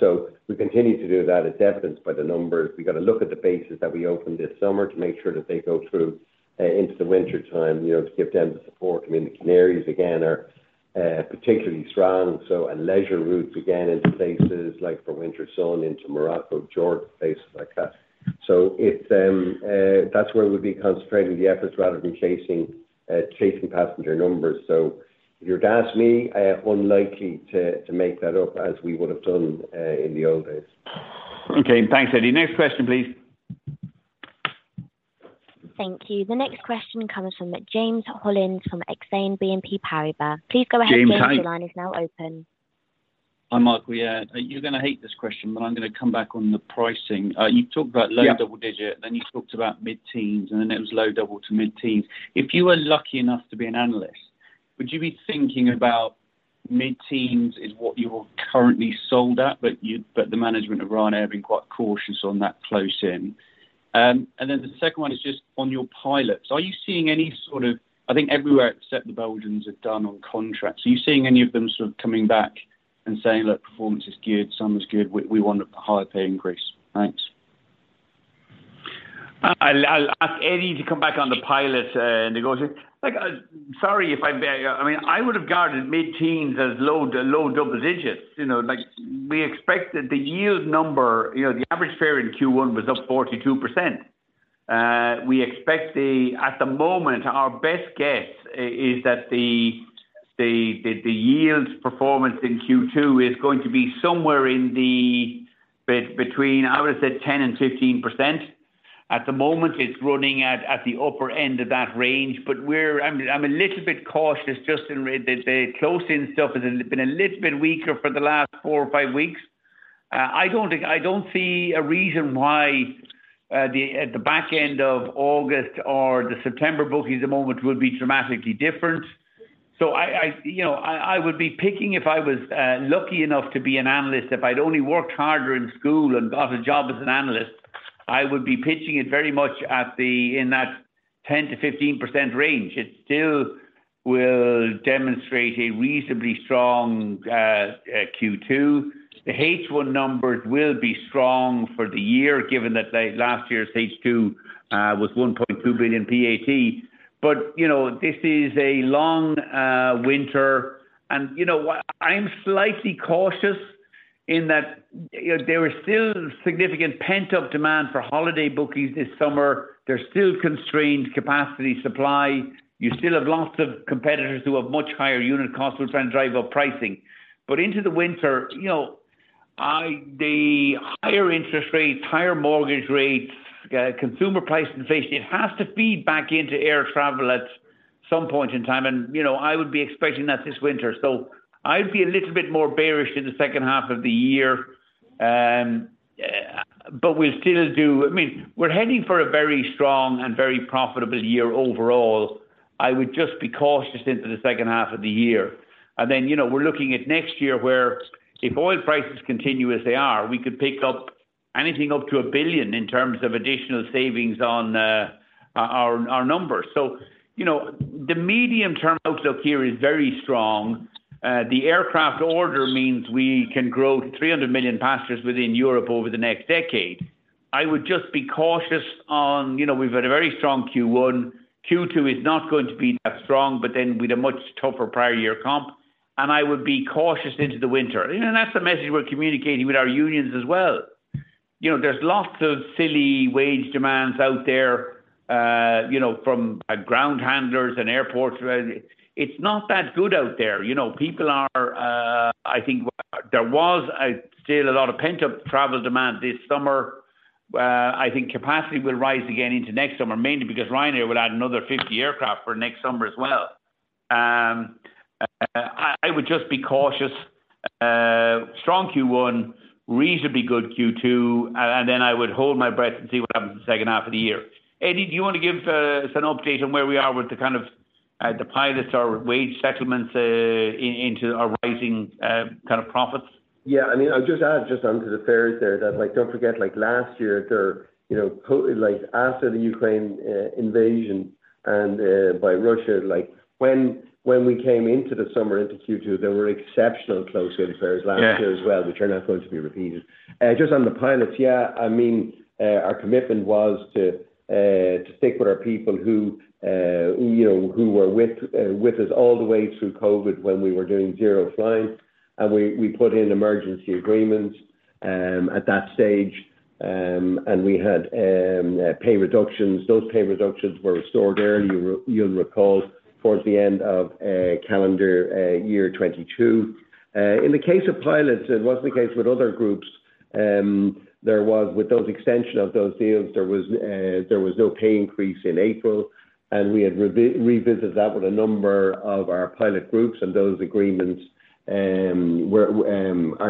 We continue to do that. It's evidenced by the numbers. We got to look at the bases that we opened this summer to make sure that they go through, into the wintertime, you know, to give them the support. I mean, the Canaries again are, particularly strong, so and leisure routes again into places like for winter sun into Morocco, Jordan, places like that. That's where we'll be concentrating the efforts rather than chasing passenger numbers. If you were to ask me, unlikely to make that up as we would have done, in the old days. Okay. Thanks, Eddie. Next question, please. Thank you. The next question comes from James Hollins from Exane BNP Paribas. Please go ahead. James, hi. James, your line is now open. Hi, Michael. Yeah, you're gonna hate this question, but I'm gonna come back on the pricing. Yeah. low double digits, then you talked about mid-teens, and then it was low double to mid-teens. If you were lucky enough to be an analyst, would you be thinking about mid-teens is what you're currently sold at, but the management of Ryanair have been quite cautious on that close in? The second one is just on your pilots. Are you seeing any sort of... I think everywhere except the Belgians have done on contracts. Are you seeing any of them sort of coming back and saying, "Look, performance is good, summer's good. We want a higher pay increase?" Thanks. I'll ask Eddie to come back on the pilot negotiation. Like, sorry, if I may. I mean, I would have guarded mid-teens as low to low double digits. You know, like, we expect that the yield number, you know, the average fare in Q1, was up 42%. We expect, at the moment, our best guess is that the yield performance in Q2 is going to be somewhere in between, I would say 10%-15%. At the moment, it's running at the upper end of that range, but I'm a little bit cautious just in the close-in stuff has been a little bit weaker for the last four or five weeks. I don't think, I don't see a reason why the, at the back end of August or the September booking the moment will be dramatically different. I, you know, I would be picking if I was lucky enough to be an analyst; if I'd only worked harder in school and got a job as an analyst, I would be pitching it very much in that 10%-15% range. It still will demonstrate a reasonably strong Q2. The H1 numbers will be strong for the year, given that the last year's H2 was 1.2 billion PAT. You know, this is a long winter, and you know what? I'm slightly cautious in that, you know, there is still significant pent-up demand for holiday bookings this summer. There's still constrained capacity supply. You still have lots of competitors who have much higher unit costs, which then drive up pricing. Into the winter, you know, the higher interest rates, higher mortgage rates, consumer price inflation, it has to feed back into air travel at some point in time, and, you know, I would be expecting that this winter. I'd be a little bit more bearish in the second half of the year. but we'll still do... I mean, we're heading for a very strong and very profitable year overall. I would just be cautious into the second half of the year. Then, you know, we're looking at next year, where if oil prices continue as they are, we could pick up anything up to 1 billion in terms of additional savings on our numbers. You know, the medium-term outlook here is very strong. The aircraft order means we can grow to 300 million passengers within Europe over the next decade. I would just be cautious on, you know, we've had a very strong Q1. Q2 is not going to be that strong. With a much tougher prior year comp, I would be cautious into the winter. You know, that's the message we're communicating with our unions as well. You know, there's lots of silly wage demands out there, you know, from ground handlers and airports. It's not that good out there. You know, people are, I think there was still a lot of pent-up travel demand this summer. I think capacity will rise again into next summer, mainly because Ryanair will add another 50 aircraft for next summer as well. I would just be cautious. Strong Q1, reasonably good Q2, and then I would hold my breath and see what happens in the second half of the year. Eddie, do you want to give us an update on where we are with the kind of the pilots or wage settlements into our rising kind of profits? Yeah, I mean, I'll just add onto the fares there, that, like, don't forget, like, last year there, you know, like, after the Ukraine invasion and by Russia, like, when we came into the summer, into Q2, there were exceptional close-in fares last year. Yeah As well, which are not going to be repeated. Just on the pilots, our commitment was to stick with our people who were with us all the way through COVID when we were doing zero flights. We put in emergency agreements at that stage, and we had pay reductions. Those pay reductions were restored early, you'll recall, towards the end of calendar year 2022. In the case of pilots, it wasn't the case with other groups; there was, with those extensions of those deals, there was no pay increase in April. We had revisited that with a number of our pilot groups; those agreements are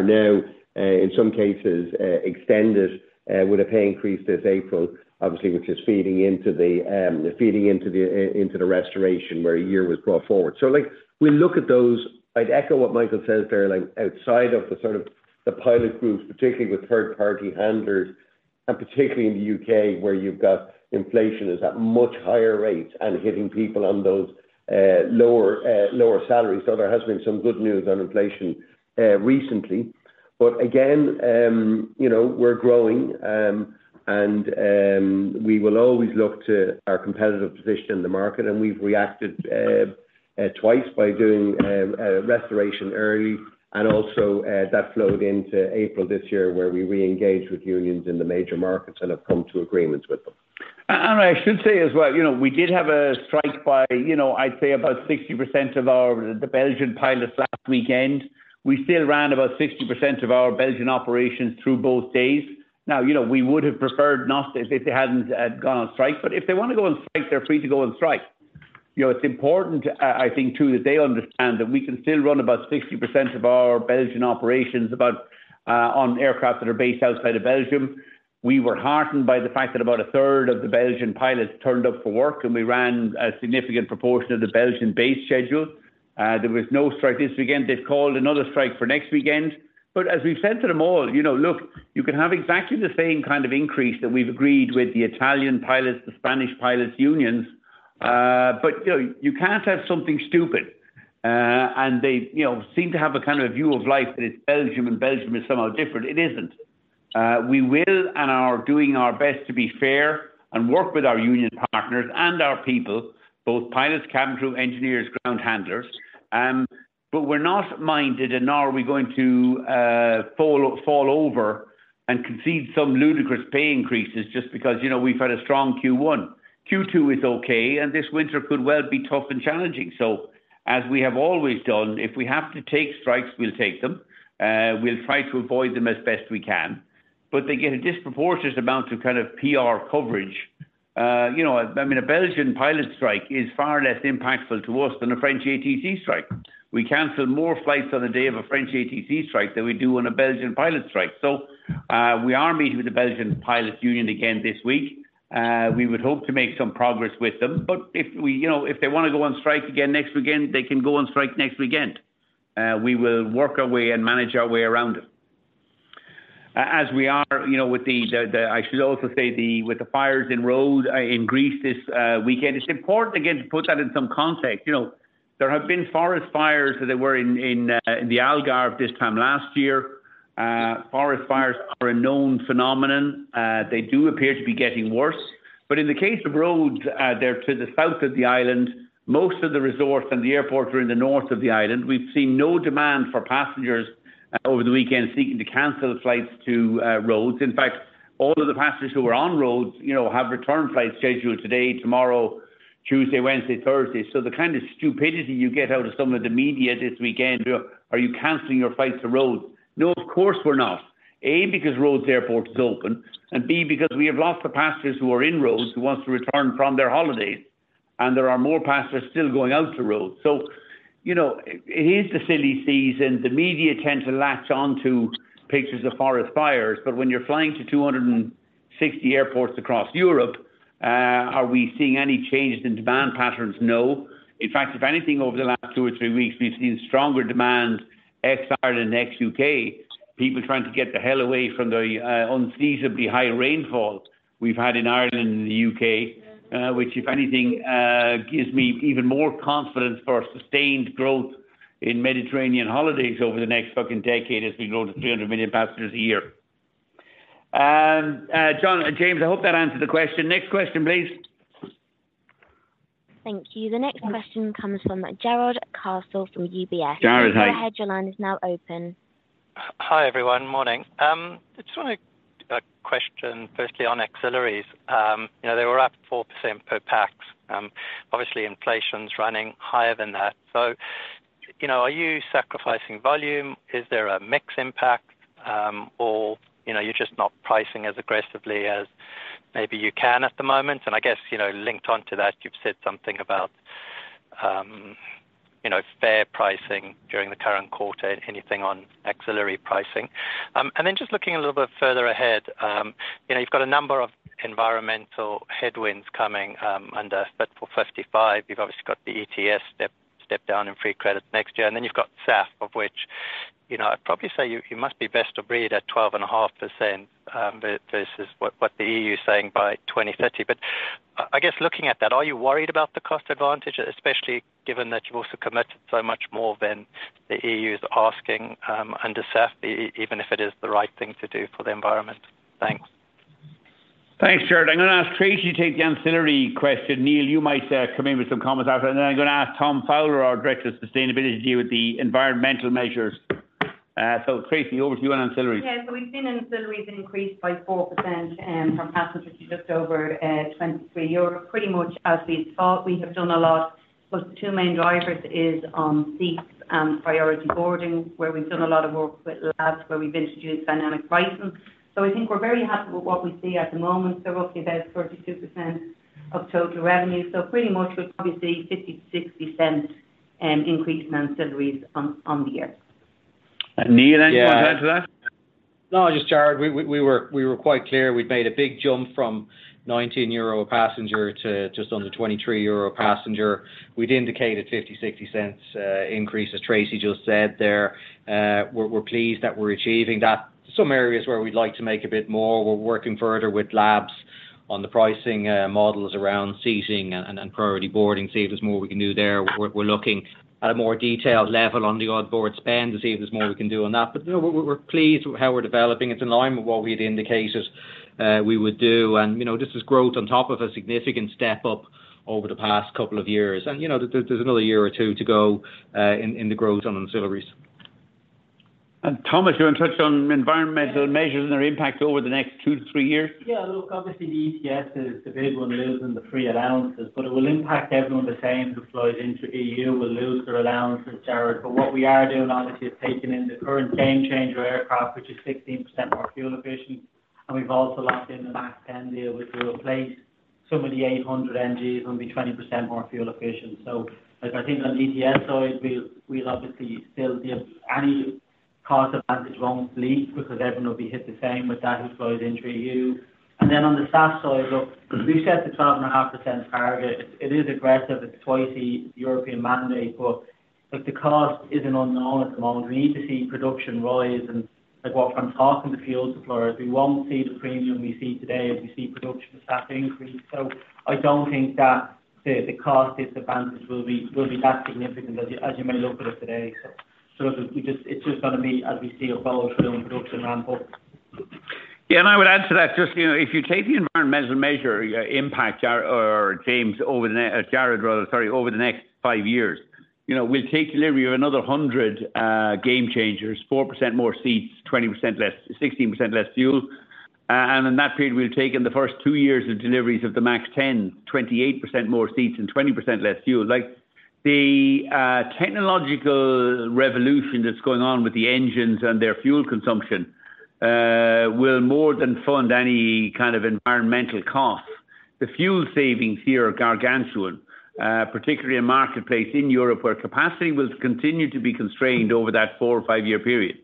now, in some cases, extended with a pay increase this April, obviously, which is feeding into the feeding into the restoration, where a year was brought forward. Like, we look at those. I'd echo what Michael says there, like, outside of the sort of the pilot groups, particularly with third-party handlers, particularly in the UK, where you've got inflation is at much higher rates and hitting people on those lower salaries. There has been some good news on inflation recently. Again, you know, we're growing, and we will always look to our competitive position in the market, and we've reacted twice by doing restoration early, and also that flowed into April this year, where we reengaged with unions in the major markets and have come to agreements with them. I should say as well, we did have a strike by, you know, I'd say about 60% of our, the Belgian pilots last weekend. We still ran about 60% of our Belgian operations through both days. You know, we would have preferred not if they hadn't gone on strike, but if they want to go on strike, they're free to go on strike. You know, it's important, I think, too, that they understand that we can still run about 60% of our Belgian operations about, on aircraft that are based outside of Belgium. We were heartened by the fact that about a third of the Belgian pilots turned up for work, and we ran a significant proportion of the Belgian base schedule. There was no strike this weekend. They've called another strike for next weekend. As we've said to them all, you know, look, you can have exactly the same kind of increase that we've agreed with the Italian pilots, the Spanish pilots' unions; you know, you can't have something stupid. They, you know, seem to have a kind of view of life that it's Belgium, and Belgium is somehow different. It isn't. We will and are doing our best to be fair and work with our union partners and our people, both pilots, cabin crew, engineers, ground handlers. We're not minded, and nor are we going to fall over and concede some ludicrous pay increases just because, you know, we've had a strong Q1. Q2 is okay, this winter could well be tough and challenging. As we have always done, if we have to take strikes, we'll take them. We'll try to avoid them as best as we can, but they get a disproportionate amount of kind of PR coverage. You know, I mean, a Belgian pilot strike is far less impactful to us than a French ATC strike. We canceled more flights on the day of a French ATC strike than we do on a Belgian pilot strike. We are meeting with the Belgian Pilots Union again this week. We would hope to make some progress with them, but, you know, if they want to go on strike again next weekend, they can go on strike next weekend. We will work our way and manage our way around it. As we are, you know, with the I should also say the, with the fires in Rhodes, in Greece this weekend, it's important again, to put that in some context. You know, there have been forest fires, that were in the Algarve this time last year. Forest fires are a known phenomenon. They do appear to be getting worse. In the case of Rhodes, they're to the south of the island. Most of the resorts and the airports are in the north of the island. We've seen no demand for passengers over the weekend, seeking to cancel flights to Rhodes. In fact, all of the passengers who were on Rhodes, you know, have return flights scheduled today, tomorrow, Tuesday, Wednesday, Thursday. The kind of stupidity you get out of some of the media this weekend, "Are you canceling your flights to Rhodes?" No, of course we're not. A, because Rhodes Airport is open, and B, because we have lots of passengers who are in Rhodes, who want to return from their holidays, and there are more passengers still going out to Rhodes. You know, it is the silly season. The media tend to latch on to pictures of forest fires, but when you're flying to 260 airports across Europe, are we seeing any changes in demand patterns? No. In fact, if anything, over the last two or three weeks, we've seen stronger demand, ex-Ireland and ex-UK, people trying to get the hell away from the unseasonably high rainfall we've had in Ireland and the UK. Which, if anything, gives me even more confidence for sustained growth in Mediterranean holidays over the next fucking decade as we grow to 300 million passengers a year. James, I hope that answered the question. Next question, please. Thank you. The next question comes from Jarrod Castle from UBS. Jarrod, hi. Go ahead. Your line is now open. Hi, everyone. Morning. I just want to question, firstly, on auxiliaries. You know, they were up 4% per pax. Obviously, inflation's running higher than that. You know, are you sacrificing volume? Is there a mixed impact, or, you know, are you just not pricing as aggressively as maybe you can at the moment? I guess, you know, linked onto that, you've said something about, you know, fair pricing during the current quarter. Anything on ancillary pricing? Then just looking a little bit further ahead, you know, you've got a number of environmental headwinds coming under Fit for 55. You've obviously got the ETS step down in free credit next year. Then you've got SAF, of which, you know, I'd probably say you must be best to breed at 12.5% versus what the EU is saying by 2030. I guess looking at that, are you worried about the cost advantage, especially given that you've also committed so much more than the EU is asking under SAF, even if it is the right thing to do for the environment? Thanks. Thanks, Jared. I'm going to ask Tracy to take the ancillary question. Neil, you might come in with some comments after. I'm going to ask Thomas Fowler, our Director of Sustainability, to deal with the environmental measures. Tracy, over to you on ancillary. Yeah. We've seen ancillaries increase by 4%, from passengers to just over 23 euro. Pretty much as we'd thought, we have done a lot, but the two main drivers is on seats and priority boarding, where we've done a lot of work with Ryanair Labs, where we've introduced dynamic pricing. I think we're very happy with what we see at the moment. Roughly about 32% of total revenue. Pretty much we'll obviously 0.50-0.60 increase in ancillaries on the year. Neil, anything you want to add to that? No, just Jarrod; we were quite clear. We'd made a big jump from 19 euro a passenger to just under 23 euro a passenger. We'd indicated 0.50-0.60 increase, as Tracy just said there. We're pleased that we're achieving that. Some areas where we'd like to make a bit more, we're working further with Labs on the pricing models around seating and priority boarding, see if there's more we can do there. We're looking at a more detailed level on the onboard spend to see if there's more we can do on that. You know, we're pleased with how we're developing. It's in line with what we had indicated we would do. You know, this is growth on top of a significant step up over the past couple of years. You know, there's another year or two to go in the growth on ancillaries. Thomas, you want to touch on environmental measures and their impact over the next 2-3 years? Look, obviously, the ETS is the big one; we're losing the free allowances, but it will impact everyone the same who flies into EU will lose their allowance with Jared. What we are doing, obviously, is taking in the current Gamechanger aircraft, which is 16% more fuel efficient. We've also locked in the MAX 10 deal, which will replace some of the 800 NGs and be 20% more fuel efficient. Like, I think on the ETS side, we'll obviously still give any cost advantage wrong fleet, because everyone will be hit the same with that who flies into EU. Then on the SAF side, look, we've set the 12.5% target. It is aggressive; it's twice the European mandate, but look, the cost is an unknown at the moment. We need to see production rise, like, what I'm talking about to fuel suppliers; we won't see the premium we see today as we see production of SAF increase. I don't think that the cost disadvantage will be that significant as you may look at it today. Look, it's just going to be as we see a follow-through on production ramp-up. Yeah, I would add to that, just, you know, if you take the environmental measure, impact, Jared, rather, sorry, over the next 5 years. You know, we'll take delivery of another 100 Gamechangers, 4% more seats, 16% less fuel. In that period, we'll take in the first two years of deliveries of the MAX 10, 28% more seats, and 20% less fuel. Like, the technological revolution that's going on with the engines and their fuel consumption will more than fund any kind of environmental costs. The fuel savings here are gargantuan, particularly in the marketplace in Europe, where capacity will continue to be constrained over that 4 or 5-year period.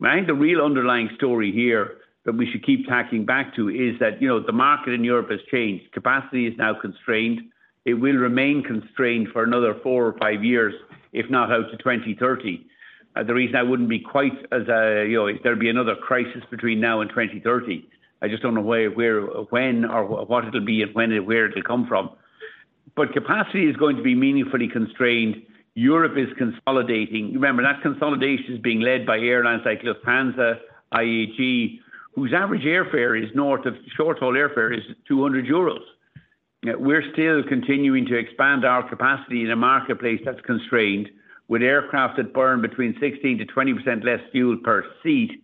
Right? The real underlying story here that we should keep tacking back to is that, you know, the market in Europe has changed. Capacity is now constrained. It will remain constrained for another four or five years, if not out to 2030. The reason I wouldn't be quite as, you know, if there'd be another crisis between now and 2030. I just don't know where, when, or what it'll be and when and where it'll come from. Capacity is going to be meaningfully constrained. Europe is consolidating. Remember, that consolidation is being led by airlines like Lufthansa, IAG, whose average airfare is north of short-haul airfare, is 200 euros. We're still continuing to expand our capacity in a marketplace that's constrained with aircraft that burn between 16%-20% less fuel per seat,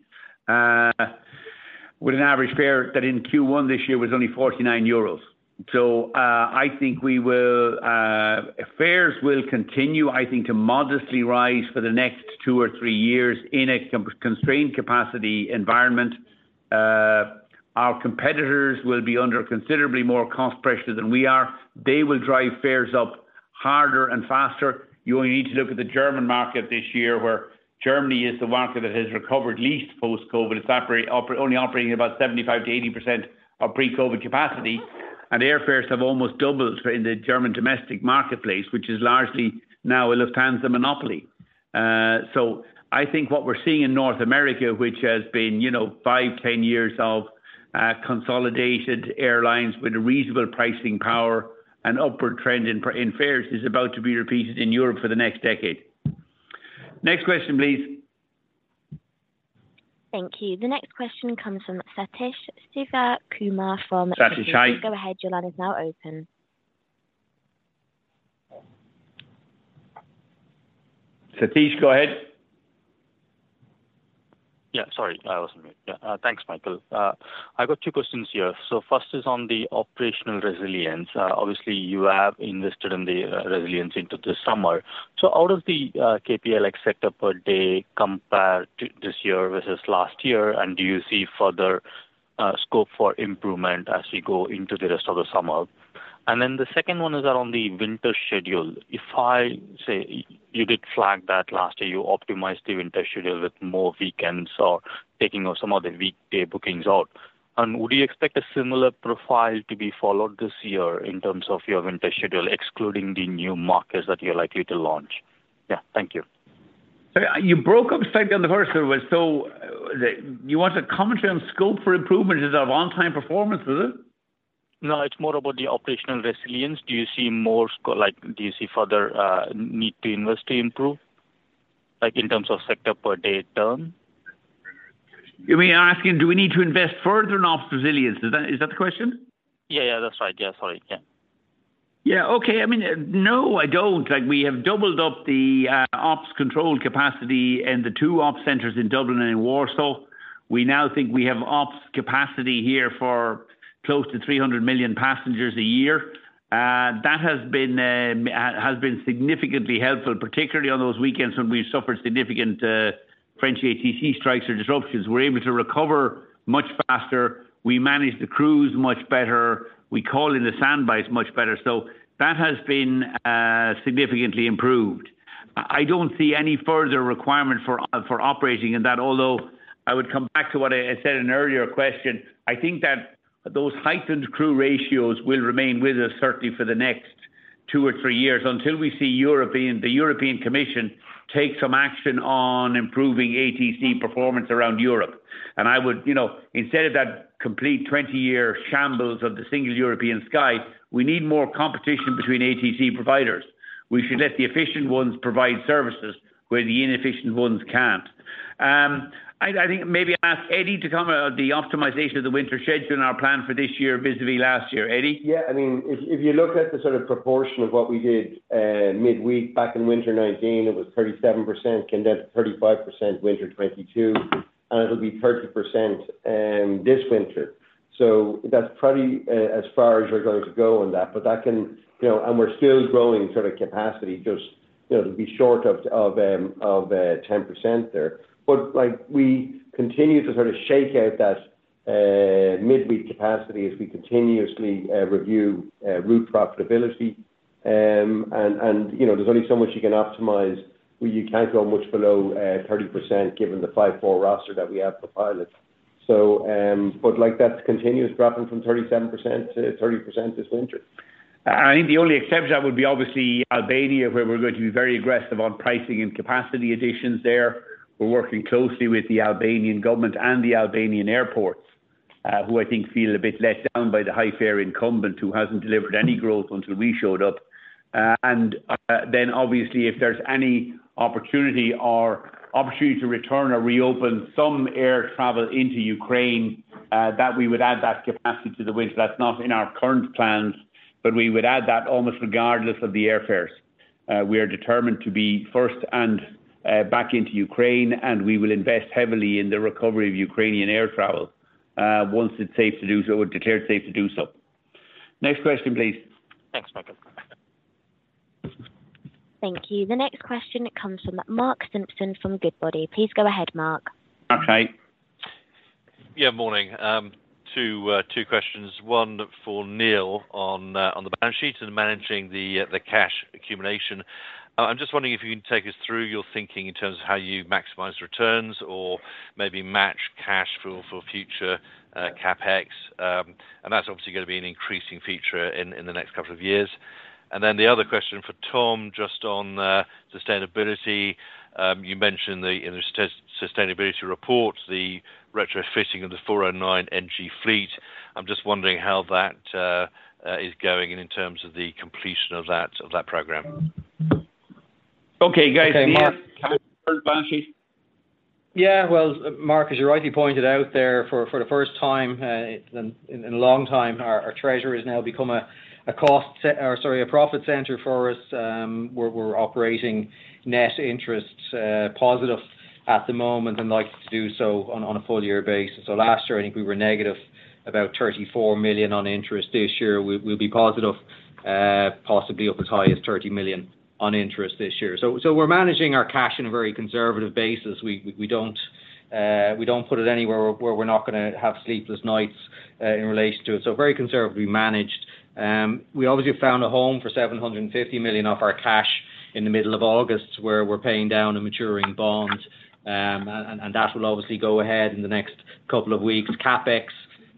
with an average fare that in Q1 this year was only 49 euros. I think we will. Fares will continue, I think, to modestly rise for the next two or three years in a constrained capacity environment. Our competitors will be under considerably more cost pressure than we are. They will drive fares up harder and faster. You only need to look at the German market this year, where Germany is the market that has recovered least post-COVID. It's only operating at about 75%-80% of pre-COVID capacity, and airfares have almost doubled in the German domestic marketplace, which is largely now a Lufthansa monopoly. I think what we're seeing in North America, which has been, you know, 5, 10 years of consolidated airlines with a reasonable pricing power and upward trend in fares, is about to be repeated in Europe for the next decade. Next question, please. Thank you. The next question comes from Sathish Sivakumar from- Sathish, hi. Go ahead. Your line is now open. Sathish, go ahead. Yeah, sorry, I wasn't ready. Yeah. Thanks, Michael. I've got two questions here. First is on the operational resilience. Obviously, you have invested in the resilience into this summer. Out of the MPLX sector per day compared to this year versus last year, do you see further scope for improvement as we go into the rest of the summer? The second one is on the winter schedule. If I say you did flag that last year, you optimized the winter schedule with more weekends or taking off some of the weekday bookings out. Would you expect a similar profile to be followed this year in terms of your winter schedule, excluding the new markets that you're likely to launch? Yeah, thank you. You broke up slightly on the first there. You want to comment on the scope for improvement is our on-time performance, is it? No, it's more about the operational resilience. Like, do you see a further need to invest to improve, like, in terms of sector per day term? You mean, asking, do we need to invest further in ops resilience? Is that the question? Yeah, yeah, that's right. Yeah, sorry. Yeah. Yeah, okay. I mean, no, I don't. Like, we have doubled up the ops control capacity in the two ops centers in Dublin and in Warsaw. We now think we have ops capacity here for close to 300 million passengers a year. That has been significantly helpful, particularly on those weekends when we've suffered significant French ATC strikes or disruptions. We're able to recover much faster. We manage the crews much better. We call in the sand by it much better. That has been significantly improved. I don't see any further requirement for operating in that, although I would come back to what I said in an earlier question. I think that those heightened crew ratios will remain with us, certainly for the next 2 or 3 years, until we see the European Commission take some action on improving ATC performance around Europe. You know, instead of that complete 20-year shambles of the Single European Sky, we need more competition between ATC providers. We should let the efficient ones provide services where the inefficient ones can't. I think maybe ask Eddie to come out of the optimization of the winter schedule and our plan for this year, vis-a-vis last year. Eddie? Yeah. I mean, if you look at the sort of proportion of what we did, midweek back in winter 2019, it was 37%, condensed 35%, winter 2022, and it'll be 30% this winter. That's probably as far as we're going to go on that, but that can, you know, and we're still growing sort of capacity, just, you know, to be short of, of 10% there. Like, we continue to sort of shake out that midweek capacity as we continuously review route profitability. And, you know, there's only so much you can optimize. You can't go much below 30% given the 5-4 roster that we have for pilots. But like, that's a continuous dropping from 37% to 30% this winter. I think the only exception that would be obviously Albania, where we're going to be very aggressive on pricing and capacity additions there. We're working closely with the Albanian government and the Albanian airports, who I think feel a bit let down by the high fare incumbent who hasn't delivered any growth until we showed up. Obviously, if there's any opportunity to return or reopen some air travel into Ukraine, that we would add that capacity to the winter. That's not in our current plans, but we would add that almost regardless of the airfares. We are determined to be first and back into Ukraine, and we will invest heavily in the recovery of Ukrainian air travel, once it's safe to do so, or declared safe to do so. Next question, please. Thanks, Michael. Thank you. The next question comes from Mark Simpson from Goodbody. Please go ahead, Mark. Mark, hi. Yeah, morning. 2 questions. One for Neil on the balance sheet and managing the cash accumulation. I'm just wondering if you can take us through your thinking in terms of how you maximize returns or maybe match cash flow for future CapEx. That's obviously going to be an increasing feature in the next couple of years. Then the other question for Tom, just on sustainability. You mentioned the, in the sustainability report, the retrofitting of the 409 NG fleet. I'm just wondering how that is going in terms of the completion of that program. Okay, guys. Okay, Mark. [inaudible] Well, Mark, as you rightly pointed out there, for the first time, in a long time, our treasure has now become a cost center, or sorry, a profit center for us. We're operating net interest positive at the moment and likes to do so on a full-year basis. Last year, I think we were negative about 34 million on interest. This year, we'll be positive, possibly up as high as 30 million on interest this year. We're managing our cash in a very conservative basis. We don't put it anywhere where we're not gonna have sleepless nights in relation to it. Very conservatively managed. We obviously have found a home for 750 million of our cash in the middle of August, where we're paying down a maturing bond. That will obviously go ahead in the next couple of weeks. CapEx,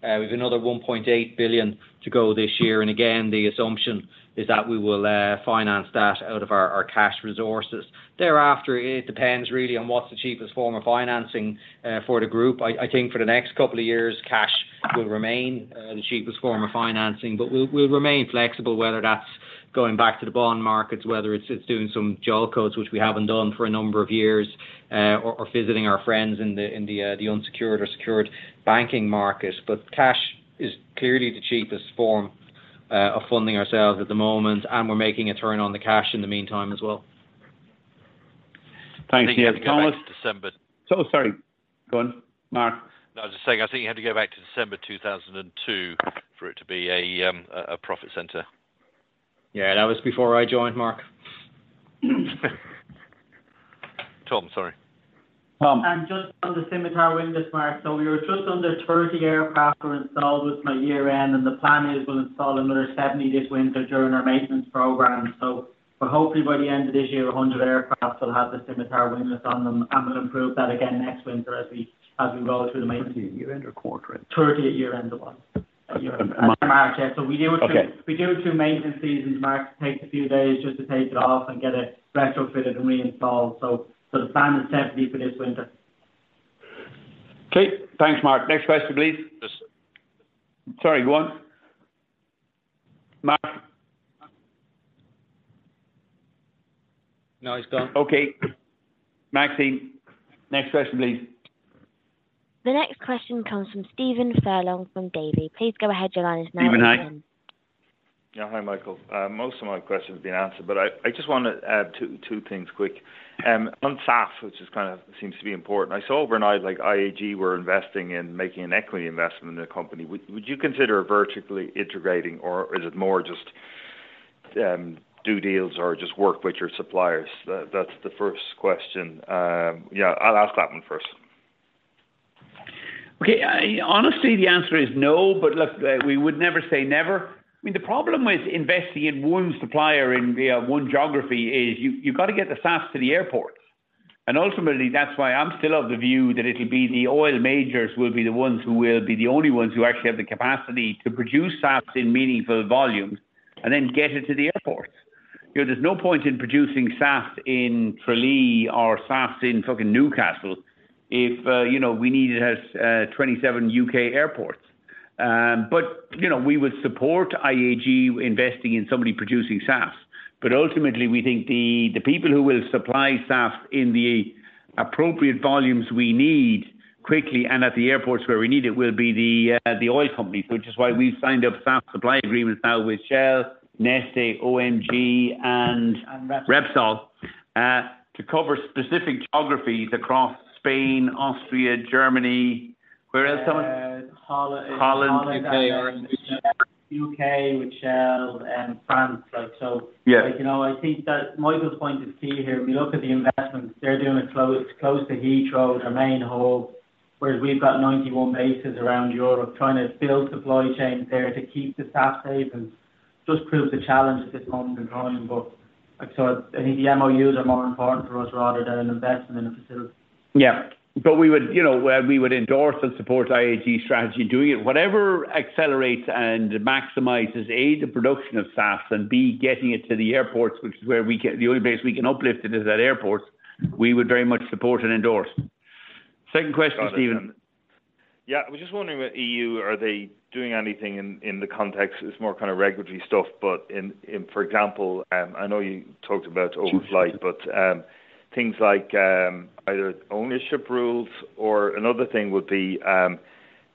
we've another 1.8 billion to go this year. Again, the assumption is that we will finance that out of our cash resources. Thereafter, it depends really on what's the cheapest form of financing for the group. I think for the next couple of years, cash will remain the cheapest form of financing, but we'll remain flexible, whether that's going back to the bond markets, whether it's doing some JOLCOs, which we haven't done for a number of years, or visiting our friends in the unsecured or secured banking market. Cash is clearly the cheapest form of funding ourselves at the moment, and we're making a return on the cash in the meantime as well. Thanks. Yeah, Thomas. [inaudible] Sorry. Go on, Mark. I was just saying, I think you have to go back to December 2002 for it to be a profit center. Yeah, that was before I joined, Mark. Tom, sorry. Tom. Just on the Scimitar Winglets, Mark, we were just under 30 aircraft were installed with by year-end, and the plan is we'll install another 70 this winter during our maintenance program. Hopefully, by the end of this year, 100 aircraft will have the Scimitar Winglets on them, and we'll improve that again next winter as we go through the maintenance. 30 at year-end or quarter? 30 at year-end, the 1. Okay. Yeah. We do it. [inaudible] Okay. We do two maintenance seasons, Mark. Takes a few days just to take it off and get it retrofitted and reinstalled. The plan is 70 for this winter. Okay. Thanks, Mark. Next question, please. [inaudible] Sorry, go on. Mark? No, he's gone. Okay. Maxine, next question, please. The next question comes from Stephen Furlong from Davy. Please go ahead. Your line is now open. Stephen, hi. Yeah. Hi, Michael. Most of my questions have been answered, but I just want to add two things quick. On SAF, which is kind of seems to be important, I saw overnight, like, IAG were investing in making an equity investment in the company. Would you consider vertically integrating, or is it more just do deals or just work with your suppliers? That's the first question. Yeah, I'll ask that one first. Honestly, the answer is no, but look, we would never say never. I mean, the problem with investing in one supplier in via one geography is you've got to get the SAF to the airports. Ultimately, that's why I'm still of the view that it'll be the oil majors will be the ones who will be the only ones who actually have the capacity to produce SAF in meaningful volumes and then get it to the airports. You know, there's no point in producing SAF in Tralee or SAF in talking Newcastle if, you know, we need it as 27 UK airports. You know, we would support IAG investing in somebody producing SAS, but ultimately, we think the people who will supply SAS in the appropriate volumes we need quickly and at the airports where we need it, will be the oil companies, which is why we've signed up SAS supply agreements now with Shell, Neste, OMV. Repsol. Repsol. To cover specific geographies across Spain, Austria, Germany. Where else, Simon? Holland. Holland. U.K. with Shell and France. Yeah. You know, I think that Michael's point is key here. We look at the investments; they're doing it close to Heathrow, their main hub, whereas we've got 91 bases around Europe, trying to build supply chains there to keep the SAS safe and just prove the challenge at this moment in time. I think the MOUs are more important for us rather than an investment in a facility. Yeah. We would, you know, we would endorse and support IAG's strategy in doing it. Whatever accelerates and maximizes, A, the production of SAS, and B, getting it to the airports, which is where we can... The only place we can uplift it is at airports. We would very much support and endorse. Second question, Stephen. Got it. Yeah, I was just wondering, with the EU, are they doing anything in the context? It's more kind of regulatory stuff, but in, for example, I know you talked about overflight. [inaudible] Things like, either ownership rules or another thing would be,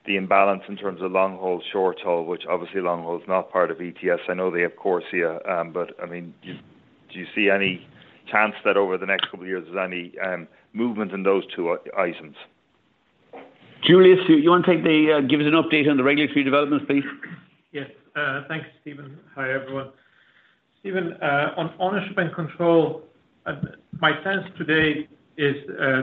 the imbalance in terms of long-haul, short-haul, which obviously long-haul is not part of ETS. I know they have CORSIA, but I mean, do you see any chance that over the next couple of years, there's any movement in those 2 items? Juliusz, do you want to take the, give us an update on the regulatory developments, please? Yes. Thanks, Stephen. Hi, everyone. Stephen, on ownership and control, my sense today is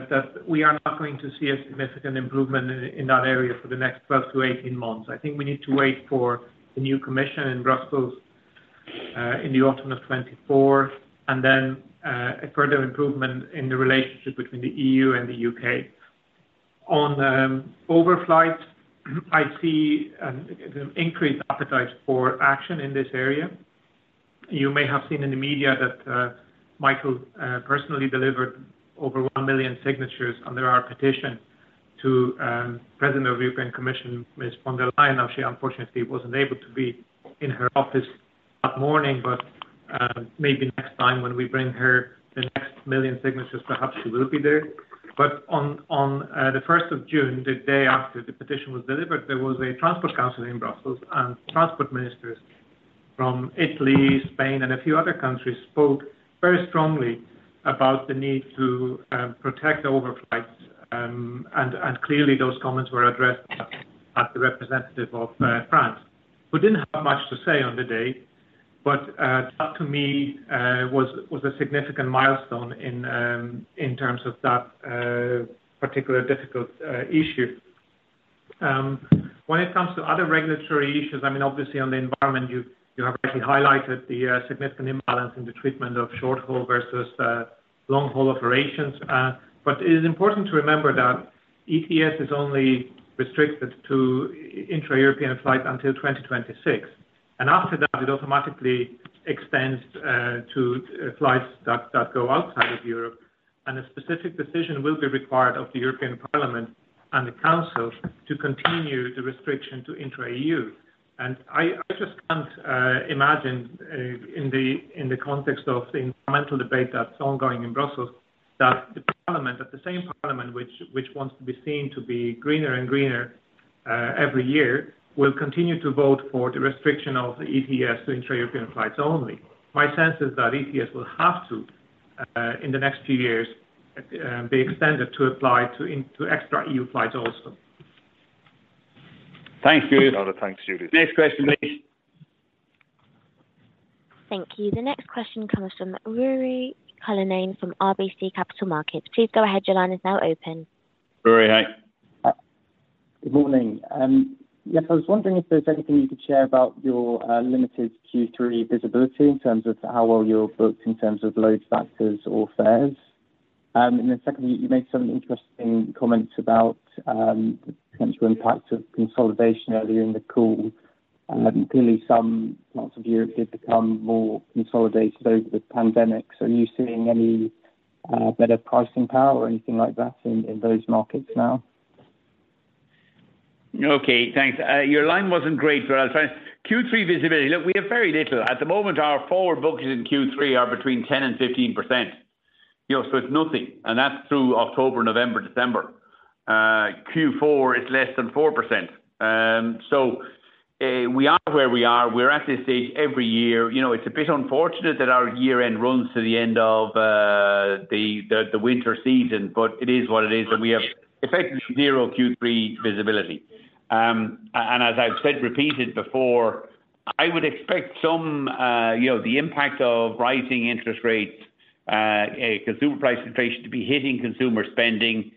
that we are not going to see a significant improvement in that area for the next 12 to 18 months. I think we need to wait for the new commission in Brussels in the autumn of 2024, a further improvement in the relationship between the EU and the UK. On the overflight, I see an increased appetite for action in this area. You may have seen in the media that Michael personally delivered over 1 million signatures under our petition to the President of the European Commission, Ms. von der Leyen. She unfortunately wasn't able to be in her office that morning; the maybe next time when we bring her the next million signatures, perhaps she will be there. On the first of June, the day after the petition was delivered, there was a transport council in Brussels, and transport ministers from Italy, Spain, and a few other countries spoke very strongly about the need to protect the overflights. Clearly, those comments were addressed at the representative of France, who didn't have much to say on the day, but that to me was a significant milestone in terms of that particular difficult issue. When it comes to other regulatory issues, I mean, obviously on the environment, you have actually highlighted the significant imbalance in the treatment of short-haul versus long-haul operations. It is important to remember that ETS is only restricted to intra-European flights until 2026, and after that, it automatically extends to flights that go outside of Europe, and a specific decision will be required of the European Parliament and the Council to continue the restriction to intra-EU. I just can't imagine, in the context of the environmental debate that's ongoing in Brussels, that the parliament, at the same parliament which wants to be seen to be greener and greener every year, will continue to vote for the restriction of the ETS to intra-European flights only. My sense is that ETS will have to, in the next few years, be extended to apply to extra-EU flights also. Thank you. Thanks, Juliusz. Next question, please. Thank you. The next question comes from Ruairi Cullinane from RBC Capital Markets. Please go ahead. Your line is now open. Ruairi, hi. Good morning. Yes, I was wondering if there's anything you could share about your limited Q3 visibility in terms of how well you're booked in terms of load factors or fares? Secondly, you made some interesting comments about the potential impact of consolidation earlier in the call. Clearly, some parts of Europe have become more consolidated over the pandemic. Are you seeing any better pricing power or anything like that in those markets now? Okay, thanks. Your line wasn't great, but I'll try Q3 visibility. Look, we have very little. At the moment, our forward bookings in Q3 are between 10% and 15%. You know, it's nothing, and that's through October, November, December. Q4 is less than 4%. We are where we are. We're at this stage every year. You know, it's a bit unfortunate that our year end runs to the end of the winter season, but it is what it is, and we have effectively zero Q3 visibility. As I've said, repeated before, I would expect some, you know, the impact of rising interest rates, consumer price inflation to be hitting consumer spending.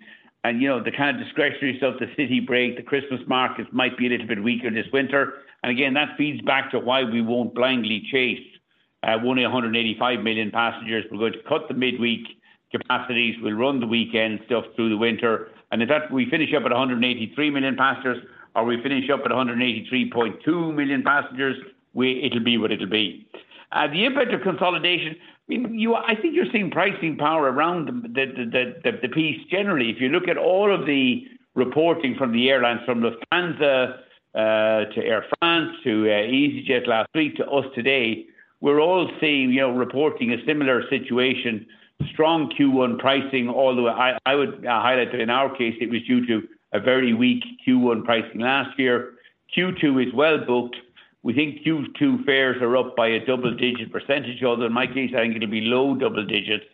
You know, the kind of discretionary stuff, the city break, the Christmas markets might be a little bit weaker this winter. Again, that feeds back to why we won't blindly chase. We're only 185 million passengers. We're going to cut the midweek capacities. We'll run the weekend stuff through the winter, and if we finish up at 183 million passengers, or we finish up at 183.2 million passengers, it'll be what it'll be. The impact of consolidation, you, I think you're seeing pricing power around the piece generally. If you look at all of the reporting from the airlines, from Lufthansa, to Air France, to easyJet last week, to us today, we're all seeing, you know, reporting a similar situation. Strong Q1 pricing, although I would highlight that in our case, it was due to a very weak Q1 pricing last year. Q2 is well-booked. We think Q2 fares are up by a double-digit %, although in my case, I think it'll be low double digits.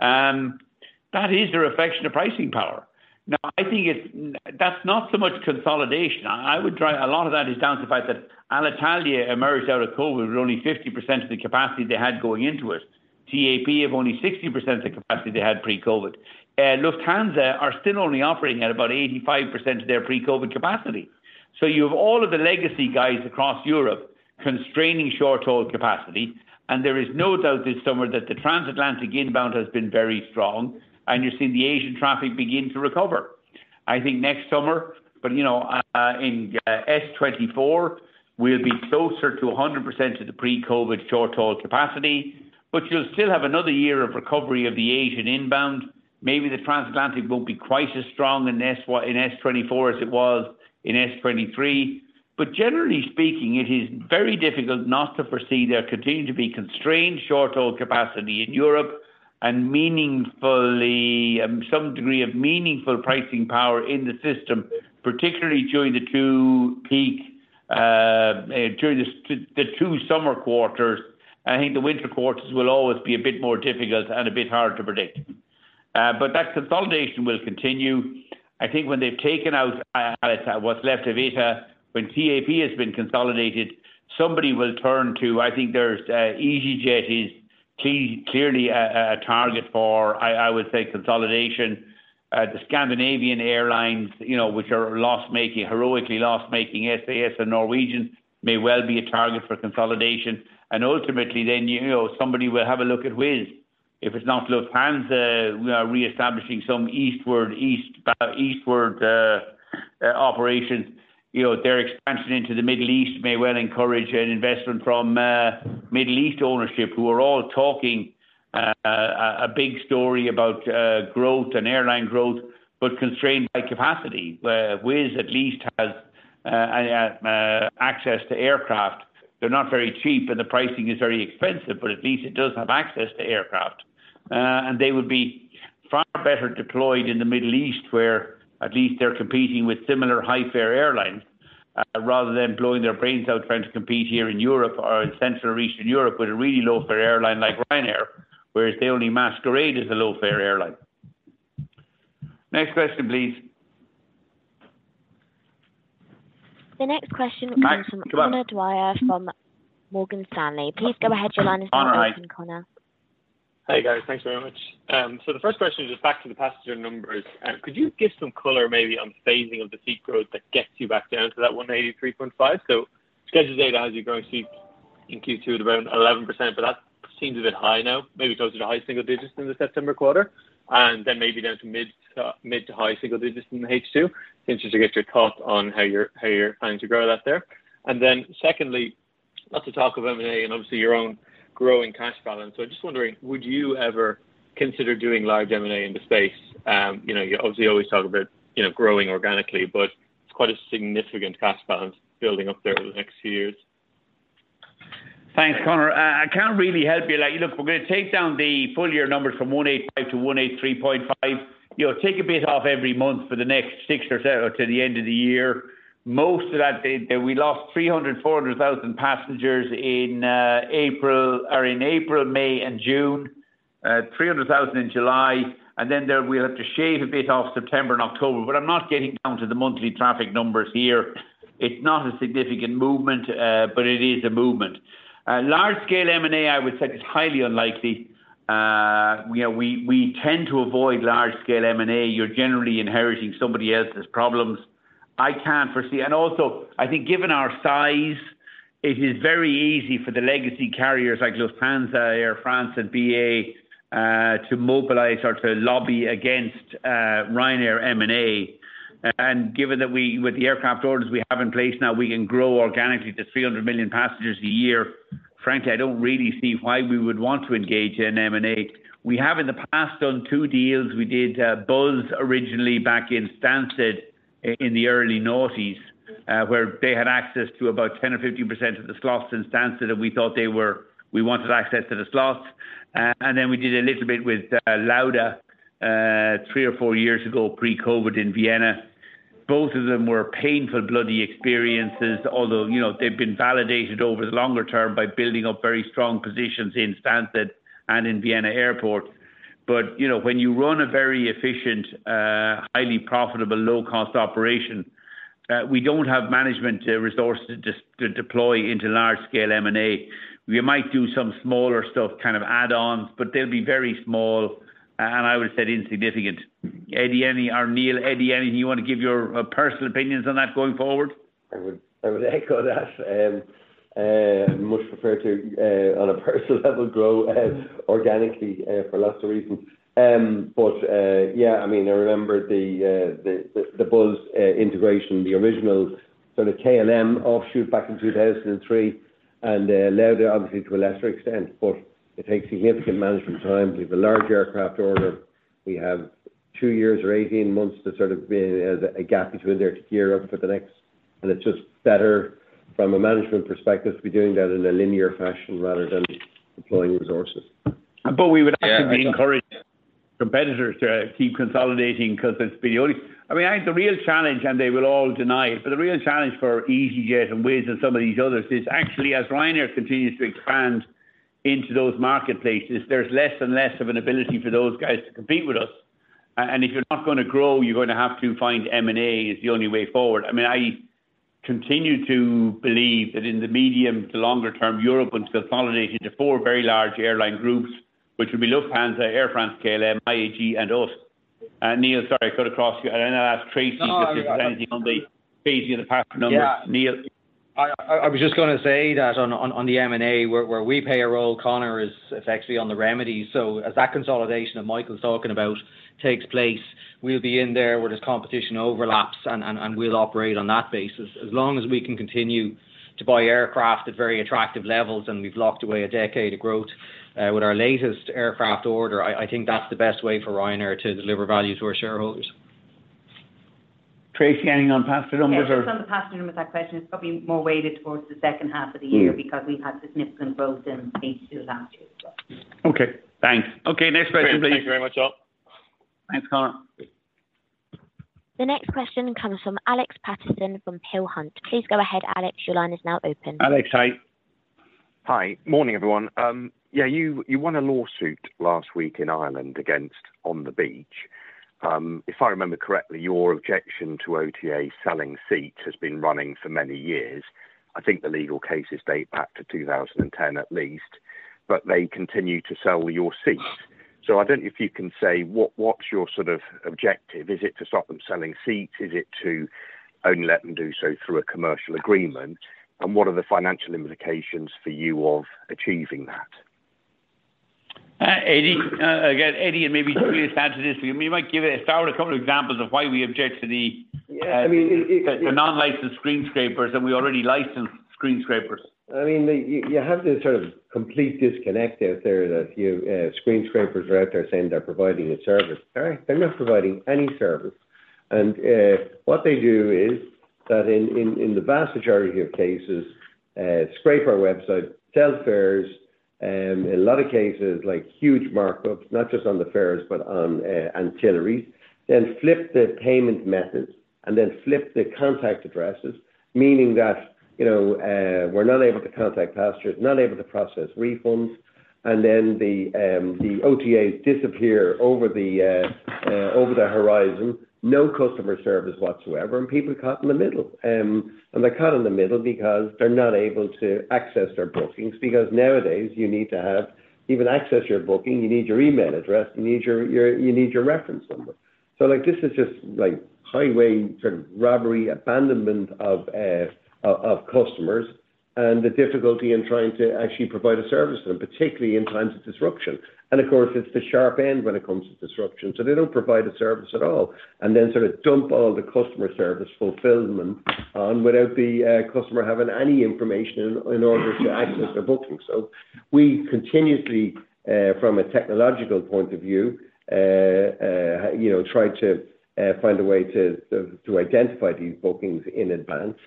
That is a reflection of pricing power. Now, I think it's, that's not so much consolidation. A lot of that is down to the fact that Alitalia emerged out of COVID with only 50% of the capacity they had going into it. TAP have only 60% of the capacity they had pre-COVID. Lufthansa are still only operating at about 85% of their pre-COVID capacity. You have all of the legacy guys across Europe constraining short-haul capacity, and there is no doubt this summer that the transatlantic inbound has been very strong, and you're seeing the Asian traffic begin to recover. I think next summer, you know, in S-2024, we'll be closer to 100% of the pre-COVID short-haul capacity, but you'll still have another year of recovery of the Asian inbound. Maybe the transatlantic won't be quite as strong in S-2024 as it was in S-2023. Generally speaking, it is very difficult not to foresee there continuing to be constrained short-haul capacity in Europe and meaningfully, some degree of meaningful pricing power in the system, particularly during the 2 peak, the 2 summer quarters. I think the winter quarters will always be a bit more difficult and a bit harder to predict. That consolidation will continue. I think when they've taken out what's left of ITA, when TAP has been consolidated, somebody will turn to... I think there's easyJet is clearly a target for, I would say, consolidation. The Scandinavian Airlines, you know, which are loss-making, heroically loss-making, SAS and Norwegian, may well be a target for consolidation. Ultimately then, you know, somebody will have a look at Wizz. If it's not Lufthansa, reestablishing some eastward operations. You know, their expansion into the Middle East may well encourage an investment from Middle East ownership, who are all talking a big story about growth and airline growth, but constrained by capacity. Wizz at least has access to aircraft. They're not very cheap, and the pricing is very expensive, but at least it does have access to aircraft. They would be far better deployed in the Middle East, where at least they're competing with similar high-fare airlines, rather than blowing their brains out, trying to compete here in Europe or in Central or Eastern Europe with a really low-fare airline like Ryanair, whereas they only masquerade as a low-fare airline. Next question, please. The next question comes from Conor Dwyer from Morgan Stanley. Please go ahead. Your line is open, Conor. Hi, guys. Thanks very much. The first question is just back to the passenger numbers. Could you give some color, maybe, on the phasing of the seat growth that gets you back down to that 183.5? Scheduled data has you growing seats in Q2 at around 11%, but that seems a bit high now. Maybe closer to high single digits in the September quarter, maybe down to mid-to-high single digits in the H2. Interesting to get your thoughts on how you're planning to grow that there. Secondly, lots of talk of M&A and, obviously, your own growing cash balance. I'm just wondering, would you ever consider doing large M&A in the space? You know, you obviously always talk about, you know, growing organically. It's quite a significant cash balance building up there over the next few years. Thanks, Conor. I can't really help you. Like, look, we're gonna take down the full yea- numbers from 180 to 183.5. You know, take a bit off every month for the next 6 or so to the end of the year. Most of that, we lost 300,000-400,000 passengers in April or in April, May and June. 300,000 in July. Then there we'll have to shave a bit off September and October. I'm not getting down to the monthly traffic numbers here. It's not a significant movement, but it is a movement. Large-scale M&A, I would say, is highly unlikely. You know, we tend to avoid large-scale M&A. You're generally inheriting somebody else's problems. I can't foresee. I think given our size, it is very easy for the legacy carriers like Lufthansa, Air France and BA to mobilize or to lobby against Ryanair M&A. Given that we, with the aircraft orders we have in place now, we can grow organically to 300 million passengers a year. Frankly, I don't really see why we would want to engage in M&A. We have in the past done 2 deals. We did Buzz originally back in Stansted in the early noughties, where they had access to about 10% or 15% of the slots in Stansted, and we wanted access to the slots. And then we did a little bit with Lauda 3 or 4 years ago, pre-COVID in Vienna. Both of them were painful, bloody experiences, although, you know, they've been validated over the longer term by building up very strong positions in Stansted and in Vienna Airport. You know, when you run a very efficient, highly profitable, low-cost operation, we don't have management resources to deploy into large-scale M&A. We might do some smaller stuff, kind of add-ons, but they'll be very small, and I would say insignificant. Eddie, any or Neil? Eddie, anything you want to give your personal opinions on that going forward? I would echo that. I much prefer to, on a personal level, grow organically for lots of reasons. Yeah, I mean, I remember the Buzz integration, the original sort of KLM offshoot back in 2003, Lauda obviously to a lesser extent, but it takes significant management time. We have a large aircraft order. We have 2 years or 18 months to sort of a gap between there to gear up for the next. It's just better, from a management perspective, to be doing that in a linear fashion rather than deploying resources. We would actually encourage competitors to keep consolidating because, I mean, I think the real challenge, and they will all deny it, but the real challenge for easyJet and Wizz and some of these others is actually, as Ryanair continues to expand into those marketplaces, there's less and less of an ability for those guys to compete with us. If you're not going to grow, you're going to have to find M&A is the only way forward. I mean, I continue to believe that in the medium to longer term, Europe will consolidate into four very large airline groups, which will be Lufthansa, Air France, KLM, IAG, and us. Neil, sorry, I cut across you, and then I'll ask Tracey, because it sounds you on the page in the passenger numbers. Yeah. Neil. I was just going to say that on the M&A, where we play a role, Conor, is actually on the remedies. As that consolidation that Michael is talking about takes place, we'll be in there where there's competition overlaps, and we'll operate on that basis. As long as we can continue to buy aircraft at very attractive levels, and we've locked away a decade of growth with our latest aircraft order, I think that's the best way for Ryanair to deliver value to our shareholders. Tracey, anything on passenger numbers or? Yes, just on the passenger number, that question is probably more weighted towards the second half of the year... Yeah. because we've had significant growth in these two last years. Okay, thanks. Okay, next question, please. Thank you very much, all. Thanks, Conor. The next question comes from Alex Paterson from Peel Hunt. Please go ahead, Alex. Your line is now open. Alex, hi. Hi. Morning, everyone. Yeah, you won a lawsuit last week in Ireland against On the Beach. If I remember correctly, your objection to OTA selling seats has been running for many years. I think the legal cases date back to 2010 at least, but they continue to sell your seats. I don't know if you can say, what's your sort of objective? Is it to stop them selling seats? Is it to only let them do so through a commercial agreement? What are the financial implications for you of achieving that? Eddie, again, Eddie, and maybe Tracy answer this for you. You might give it a start with a couple of examples of why we object to the. Yeah, I mean. The non-licensed screen scrapers. We already licensed screen scrapers. I mean, you have this sort of complete disconnect out there, that you screen scrapers are out there saying they're providing a service. All right? They're not providing any service. What they do is that in the vast majority of cases, scrape our website, sell fares, in a lot of cases, like huge markups, not just on the fares, but on ancillaries, then flip the payment methods and then flip the contact addresses, meaning that, you know, we're not able to contact passengers, not able to process refunds, and then the OTAs disappear over the horizon. No customer service whatsoever, and people are caught in the middle. They're caught in the middle because they're not able to access their bookings, because nowadays you need to have even access your booking, you need your email address, you need your, you need your reference number. Like, this is just like highway sort of robbery, abandonment of customers, and the difficulty in trying to actually provide a service to them, particularly in times of disruption. Of course, it's the sharp end when it comes to disruption. They don't provide a service at all, and then sort of dump all the customer service fulfillment on without the customer having any information in order to access their booking. We continuously, from a technological point of view, you know, try to find a way to identify these bookings in advance.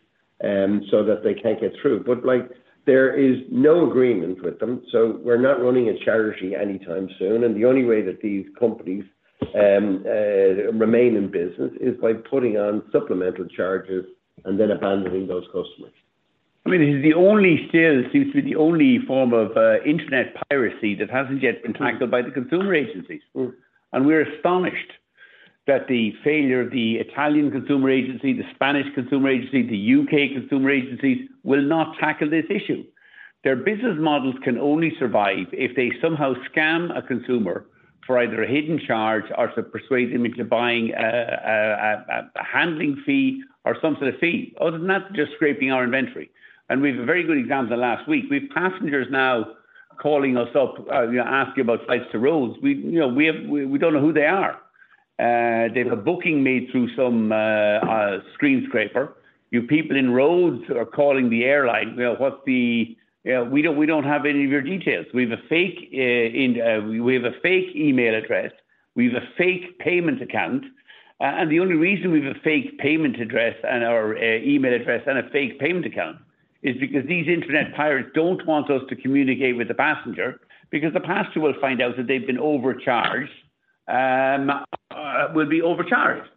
That they can't get through. Like, there is no agreement with them; we're not running a charity anytime soon. The only way that these companies remain in business is by putting on supplemental charges and then abandoning those customers. I mean, it is the only still seems to be the only form of internet piracy that hasn't yet been tackled by the consumer agencies. Mm. We're astonished that the failure of the Italian Consumer Agency, the Spanish Consumer Agency, the U.K. Consumer Agencies will not tackle this issue. Their business models can only survive if they somehow scam a consumer for either a hidden charge or to persuade him into buying a handling fee or some sort of fee other than that, just scraping our inventory. We have a very good example last week. We've passengers now calling us up, you know, asking about flights to Rhodes. We, you know, we don't know who they are. They have a booking made through some screen scraper. You people in Rhodes are calling the airline. Well, we don't have any of your details. We have a fake email address, we have a fake payment account. The only reason we have a fake payment address and/or, email address and a fake payment account is because these internet pirates don't want us to communicate with the passenger, because the passenger will find out that they've been overcharged, will be overcharged.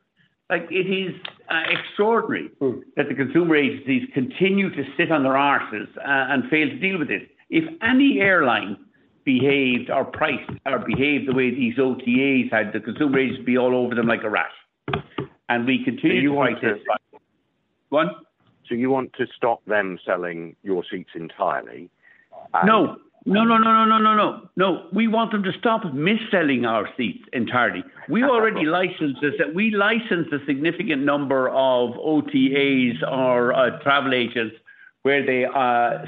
Like, it is extraordinary. Mm. that the consumer agencies continue to sit on their asses, and fail to deal with this. If any airline behaved or priced or behaved the way these OTAs had, the consumer agencies would be all over them like a rash. We continue to fight this battle. What? You want to stop them selling your seats entirely? No. No, no, no, no. No, we want them to stop misselling our seats entirely. Okay. We've already licensed this. We licensed a significant number of OTAs or travel agents, where they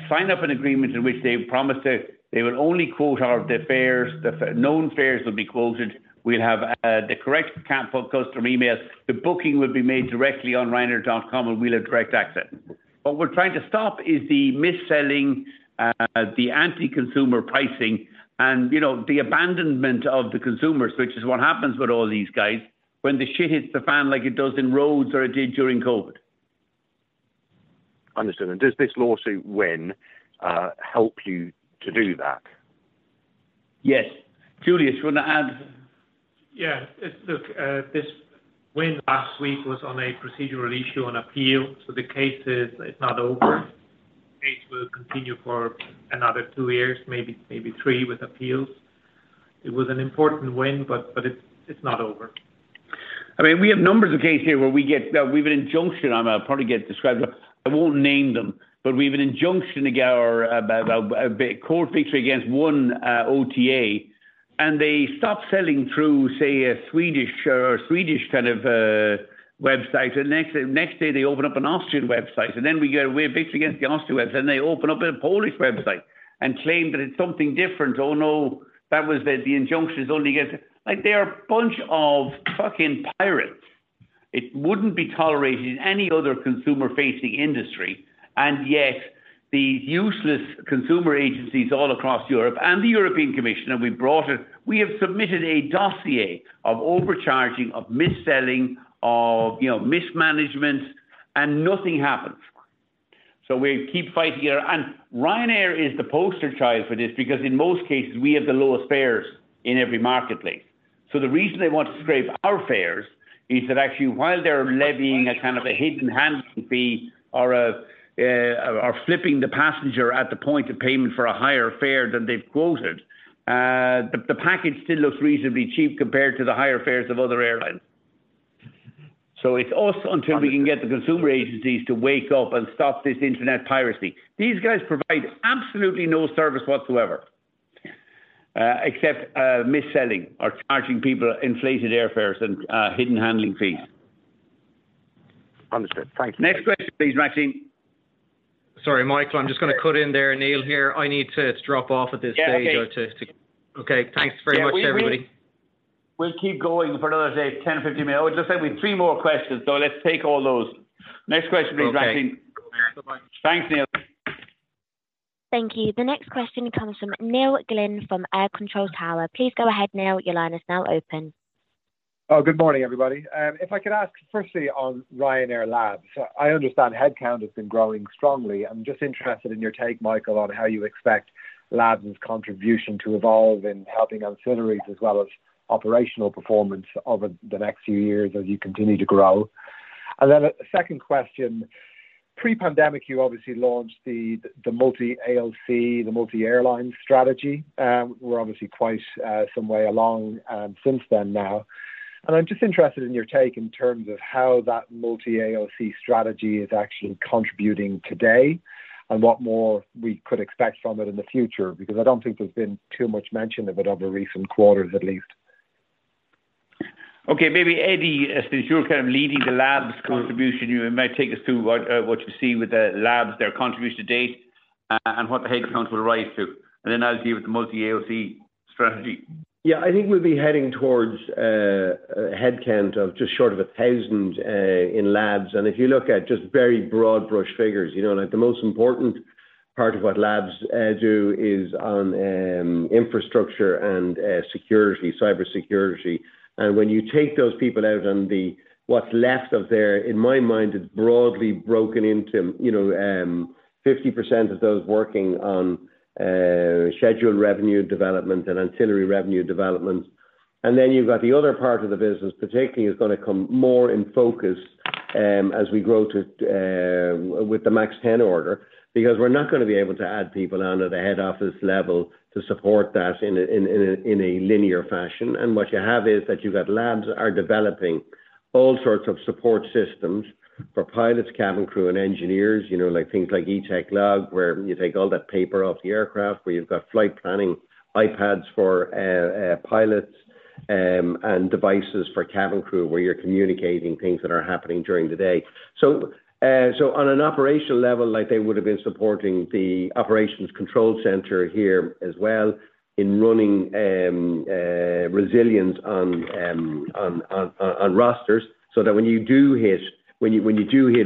sign up an agreement in which they promise that they will only quote our the fares; known fares would be quoted. We'll have the correct customer email. The booking will be made directly on Ryanair.com, and we'll have direct access. What we're trying to stop is the misselling, the anti-consumer pricing and, you know, the abandonment of the consumers, which is what happens with all these guys when the shit hits the fan like it does in Rhodes or it did during COVID. Understood. Does this lawsuit win, help you to do that? Yes. Juliusz, you want to add? Yeah. Look, this win last week was on a procedural issue on appeal; the case is not over. The case will continue for another 2 years, maybe 3 with appeals. It was an important win, but it's not over. I mean, we have an injunction. I'm gonna probably get described, but I won't name them, but we have an injunction against an OTA; they stop selling through, say, a Swedish kind of a website, next day, they open up an Austrian website, then we get a win basically against the Austrian website; they open up a Polish website and claim that it's something different. "Oh, no, that was the injunction is only against..." Like, they are a bunch of fucking pirates. It wouldn't be tolerated in any other consumer-facing industry, yet the useless consumer agencies all across Europe and the European Commission, we brought it. We have submitted a dossier of overcharging, of misselling, of, you know, mismanagement, and nothing happens. We keep fighting here. Ryanair is the poster child for this because, in most cases, we have the lowest fares in every marketplace. The reason they want to scrape our fares is that, actually, while they're levying a kind of a hidden handling fee or flipping the passenger at the point of payment for a higher fare than they've quoted, the package still looks reasonably cheap compared to the higher fares of other airlines. It's us- Understood. until we can get the consumer agencies to wake up and stop this internet piracy. These guys provide absolutely no service whatsoever, except misselling or charging people inflated airfares and hidden handling fees. Understood. Thank you. Next question, please, Maxine. Sorry, Michael, I'm just gonna cut in there. Neil here. I need to drop off at this stage. Yeah, okay. Okay, thanks very much, everybody. Yeah, we'll keep going for another day, 10, 15 minutes. I would just say we have three more questions, so let's take all those. Next question please, Maxine. Okay. Bye-bye. Thanks, Neil. Thank you. The next question comes from Neil Glynn from AIR Control Tower. Please go ahead, Neil. Your line is now open. Good morning, everybody. If I could ask firstly on Ryanair Labs. I understand headcount has been growing strongly. I'm just interested in your take, Michael, on how you expect Labs' contribution to evolve in helping ancillaries as well as operational performance over the next few years as you continue to grow. A second question: pre-pandemic, you obviously launched the multi-AOC, the multi-airline strategy. We're obviously quite some way along since then now. I'm just interested in your take in terms of how that multi-AOC strategy is actually contributing today and what more we could expect from it in the future, because I don't think there's been too much mention of it over recent quarters, at least. Okay. Maybe, Eddie, since you're kind of leading the labs contribution, you might take us through what you see with the labs, their contribution to date, and what the headcount will rise to, and then I'll deal with the multi-AOC strategy. Yeah, I think we'll be heading towards a headcount of just short of 1,000, in Labs. If you look at just very broad brush figures, you know, and the most important part of what labs do is on infrastructure and cybersecurity. When you take those people out, what's left of there, in my mind, is broadly broken into, you know, 50% of those working on scheduled revenue development and ancillary revenue development. Then you've got the other part of the business, particularly, is going to come more in focus as we grow to with the MAX 10 order. Because we're not going to be able to add people onto the head office level to support that in a linear fashion. What you have is that you've got labs are developing all sorts of support systems for pilots, cabin crew, and engineers. You know, like, things like eTechLog, where you take all that paper off the aircraft, where you've got flight planning, iPads for pilots, and devices for cabin crew, where you're communicating things that are happening during the day. On an operational level, like, they would have been supporting the operations control center here as well in running resilience on rosters, so that when you do hit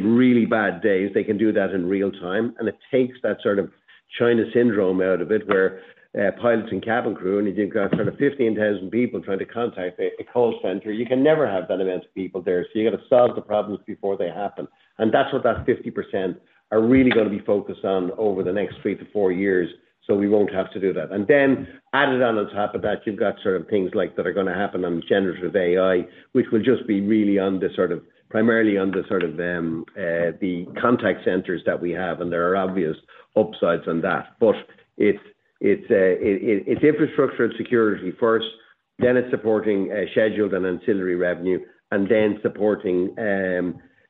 really bad days, they can do that in real time, and it takes that sort of China syndrome out of it, where pilots and cabin crew, and you've got sort of 15,000 people trying to contact a call center. You can never have that amount of people there, so you got to solve the problems before they happen. That's what that 50% are really going to be focused on over the next 3-4 years, so we won't have to do that. Added on top of that, you've got sort of things like that are going to happen on generative AI, which will just be really primarily under the contact centers that we have, and there are obvious upsides on that. It's infrastructure and security first, then it's supporting scheduled and ancillary revenue, and then it's supporting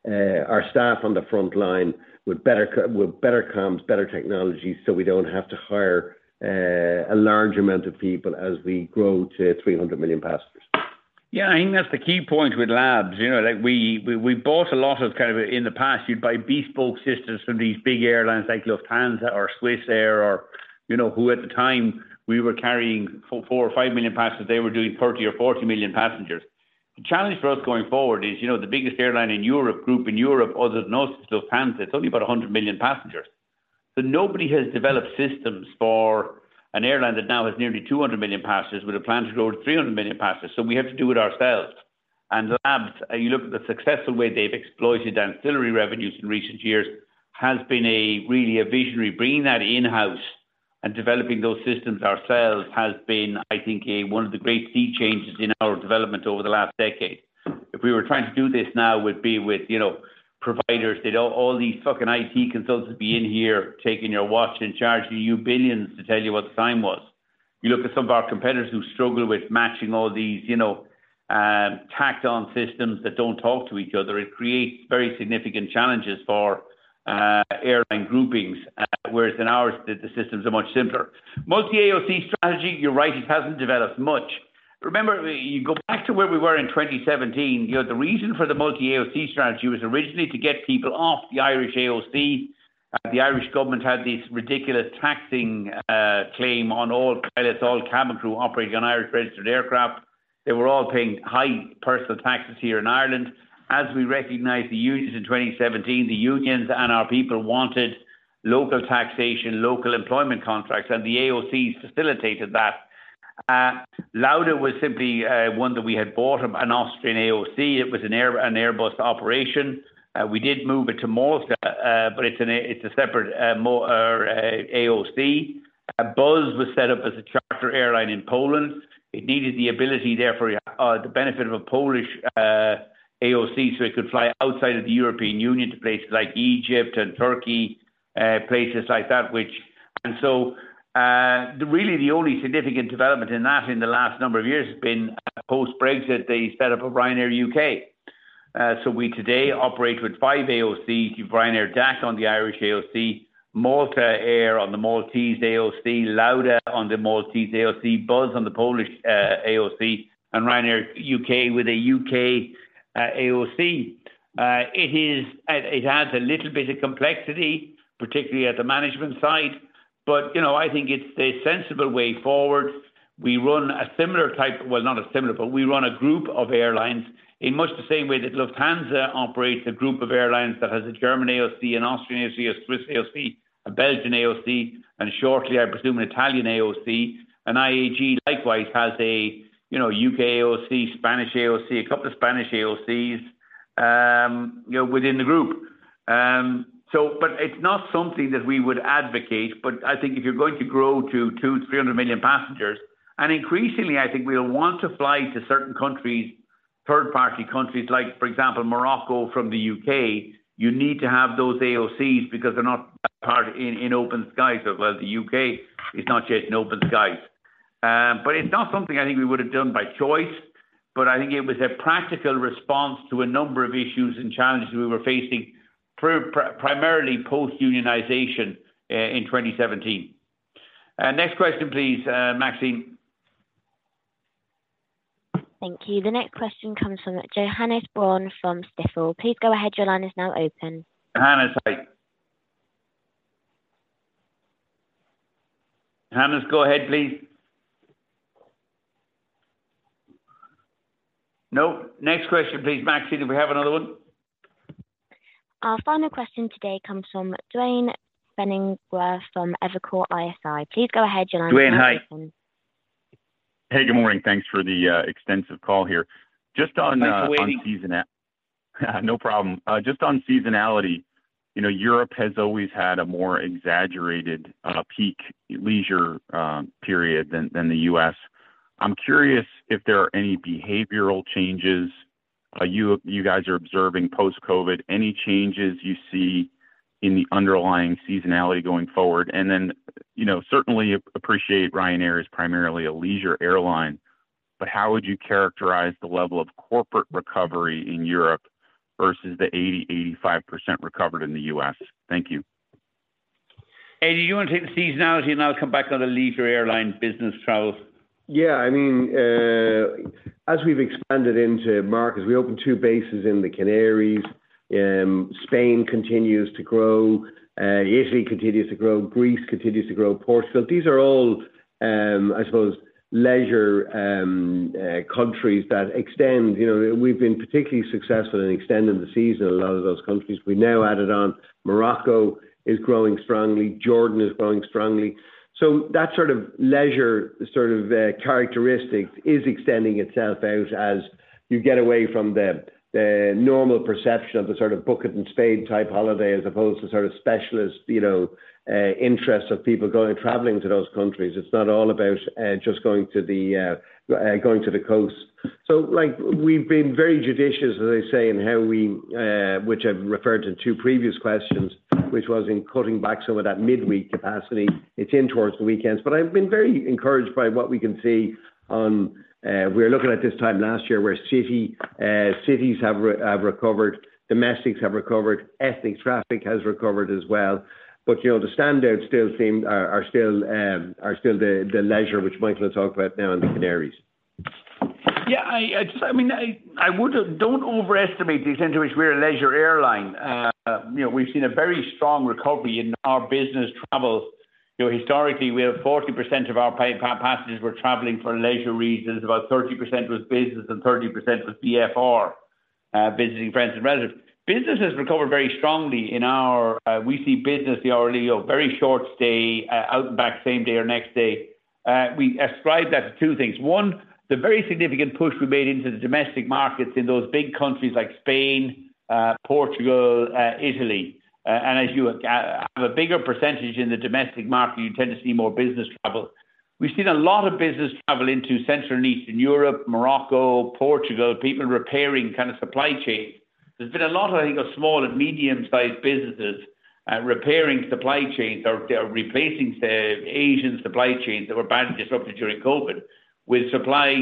our staff on the front line with better comms, better technology, so we don't have to hire a large amount of people as we grow to 300 million passengers. Yeah, I think that's the key point with labs. You know, like, we bought a lot of kind of. In the past, you'd buy bespoke systems from these big airlines like Lufthansa or Swiss Air, or, you know, who at the time we were carrying 4 or 5 million passengers, they were doing 30 or 40 million passengers. The challenge for us going forward is, you know, the biggest airline in Europe, group in Europe, other than us, is Lufthansa. It's only about 100 million passengers. Nobody has developed systems for an airline that now has nearly 200 million passengers, with a plan to grow to 300 million passengers. Labs, you look at the successful way they've exploited ancillary revenues in recent years, has been a really a visionary. Bringing that in-house and developing those systems ourselves has been, I think, a, one of the great key changes in our development over the last decade. If we were trying to do this now, it would be with, you know, providers. They'd all these fucking IT consultants be in here, taking your watch and charging you billions to tell you what the time was. You look at some of our competitors who struggle with matching all these, you know, tacked-on systems that don't talk to each other. It creates very significant challenges for airline groupings, whereas in ours, the systems are much simpler. Multi-AOC strategy, you're right, it hasn't developed much. Remember, you go back to where we were in 2017; you know, the reason for the multi-AOC strategy was originally to get people off the Irish AOC. The Irish Government had this ridiculous taxing claim on all pilots, all cabin crew operating on Irish-registered aircraft. They were all paying high personal taxes here in Ireland. We recognized the unions in 2017; the unions and our people wanted local taxation, local employment contracts, and the AOCs facilitated that. Lauda was simply one that we had bought, an Austrian AOC. It was an Airbus operation. We did move it to Malta; it's a separate Malta AOC. Buzz was set up as a charter airline in Poland. It needed the ability there for the benefit of a Polish AOC, so it could fly outside of the European Union to places like Egypt and Turkey, places like that. The really the only significant development in that in the last number of years has been post-Brexit. They set up a Ryanair UK. So we today operate with five AOC Ryanair DAC on the Irish AOC, Malta Air on the Maltese AOC, Lauda on the Maltese AOC, Buzz on the Polish AOC, and Ryanair UK with a UK AOC. It is; it adds a little bit of complexity, particularly at the management side. You know, I think it's a sensible way forward. We run a similar type... Not a similar, but we run a group of airlines in much the same way that Lufthansa operates a group of airlines that has a German AOC, an Austrian AOC, a Swiss AOC, a Belgian AOC, and shortly, I presume, an Italian AOC. IAG likewise has a, you know, UK AOC, Spanish AOC, a couple of Spanish AOCs, you know, within the group. But it's not something that we would advocate, but I think if you're going to grow to 200 million-300 million passengers, and increasingly, I think we'll want to fly to certain countries, third-party countries, like, for example, Morocco from the UK, you need to have those AOCs because they're not part in open skies. The UK is not yet an open skies. It's not something I think we would have done by choice, but I think it was a practical response to a number of issues and challenges we were facing primarily post-unionization, in 2017. Next question, please, Maxine. Thank you. The next question comes from Johannes Braun from Stifel. Please go ahead. Your line is now open. Johannes, hi. Johannes, go ahead, please. Nope. Next question, please, Maxine, if we have another one. Our final question today comes from Duane Pfennigwerth from Evercore ISI. Please go ahead; your line is open. Duane, hi. Hey, good morning. Thanks for the extensive call here. Just on. Thanks for waiting. No problem. Just on seasonality, you know, Europe has always had a more exaggerated, peak leisure, period than the U.S. I'm curious if there are any behavioral changes, you guys are observing post-COVID. Any changes you see in the underlying seasonality going forward? Then, you know, certainly appreciate Ryanair is primarily a leisure airline, but how would you characterize the level of corporate recovery in Europe versus the 80-85% recovered in the U.S.? Thank you. Eddie, you want to take the seasonality, and I'll come back on the leisure airline business travel? Yeah, I mean, as we've expanded into markets, we opened two bases in the Canaries, Spain continues to grow, Italy continues to grow, Greece continues to grow, Portugal. These are all, I suppose, leisure countries that extend. You know, we've been particularly successful in extending the season in a lot of those countries. We now added on Morocco is growing strongly, Jordan is growing strongly. That sort of leisure, sort of characteristic is extending itself out as you get away from the normal perception of the sort of bucket and spade-type holiday, as opposed to sort of specialist, you know, interests of people going, traveling to those countries. It's not all about just going to the, going to the coast. Like, we've been very judicious, as I say, in how we. Which I've referred to in 2 previous questions, which was in cutting back some of that midweek capacity. It's in towards the weekends. I've been very encouraged by what we can see on, we're looking at this time last year, where city, cities have recovered, domestics have recovered, ethics traffic has recovered as well. You know, the standout still seem, are still the leisure, which Michael will talk about now in the Canaries. I mean, I would. Don't overestimate the extent to which we're a leisure airline. You know, we've seen a very strong recovery in our business travel. You know, historically, we have 40% of our passengers were traveling for leisure reasons, about 30% was business, and 30% was VFR, visiting friends and relatives. Business has recovered very strongly in our, we see business early or very short stays, out and back, same day or next day. We ascribe that to two things. One, the very significant push we made into the domestic markets in those big countries like Spain, Portugal, Italy. As you have a bigger percentage in the domestic market, you tend to see more business travel. We've seen a lot of business travel into Central and Eastern Europe, Morocco, Portugal, with people repairing kind of supply chains. There's been a lot of, you know, small and medium-sized businesses, repairing supply chains or replacing the Asian supply chains that were badly disrupted during COVID, with supply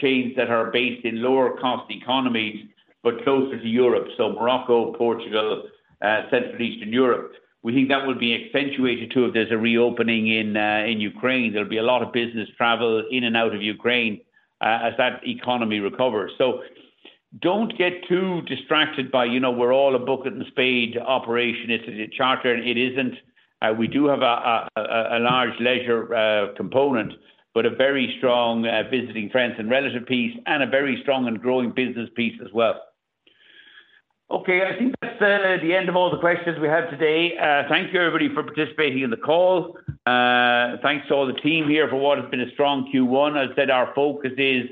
chains that are based in lower-cost economies, but closer to Europe, so Morocco, Portugal, Central, and Eastern Europe. We think that will be accentuated, too, if there's a reopening in Ukraine. There'll be a lot of business travel in and out of Ukraine, as that economy recovers. Don't get too distracted by, you know, we're all a bucket and spade operation. It's a charter. It isn't. We do have a large leisure component, but a very strong visiting friends and relative piece, and a very strong and growing business piece as well. I think that's the end of all the questions we have today. Thank you, everybody, for participating in the call. Thanks to all the team here for what has been a strong Q1. As I said, our focus is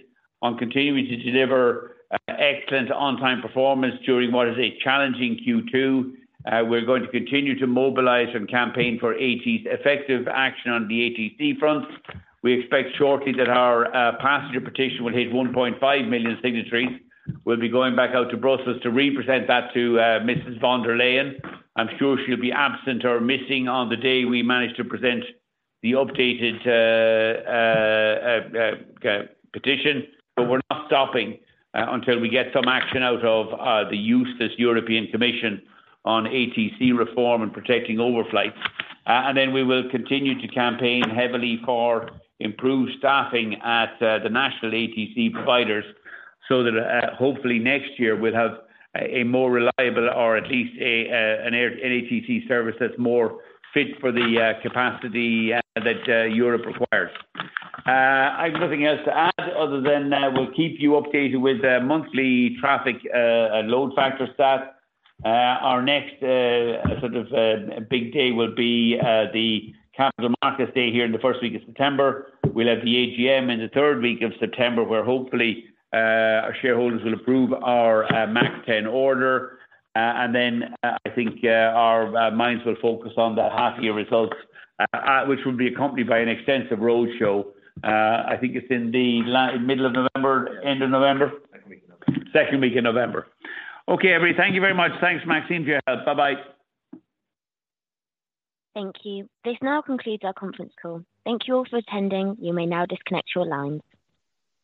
on continuing to deliver excellent on-time performance during what is a challenging Q2. We're going to continue to mobilize and campaign for ATC's effective action on the ATC front. We expect shortly that our passenger petition will hit 1.5 million signatories. We'll be going back out to Brussels to represent that to Mrs. von der Leyen. I'm sure she'll be absent or missing on the day we manage to present the updated, uh, uh, uh, uh, uh, petition, but we're not stopping, uh, until we get some action out of, uh, the useless European Commission on ATC reform and protecting overflights. Uh, and then we will continue to campaign heavily for improved staffing at, uh, the national ATC providers so that, uh, hopefully next year we'll have a, a more reliable or at least a, uh, an air, an ATC service that's more fit for the, uh, capacity, uh, that, uh, Europe requires. Uh, I have nothing else to add other than, uh, we'll keep you updated with, uh, monthly traffic, uh, and load factor stats. Uh, our next, uh, sort of, uh, big day will be, uh, the capital markets day here in the first week of September. We'll have the AGM in the third week of September, where hopefully, our shareholders will approve our MAX 10 order. Then, I think, our minds will focus on the half year results, at which will be accompanied by an extensive roadshow. I think it's in the middle of November, end of November? Second week of November. Second week in November. Okay, everybody, thank you very much. Thanks, Maxine, for your help. Bye-bye. Thank you. This now concludes our conference call. Thank you all for attending. You may now disconnect your lines.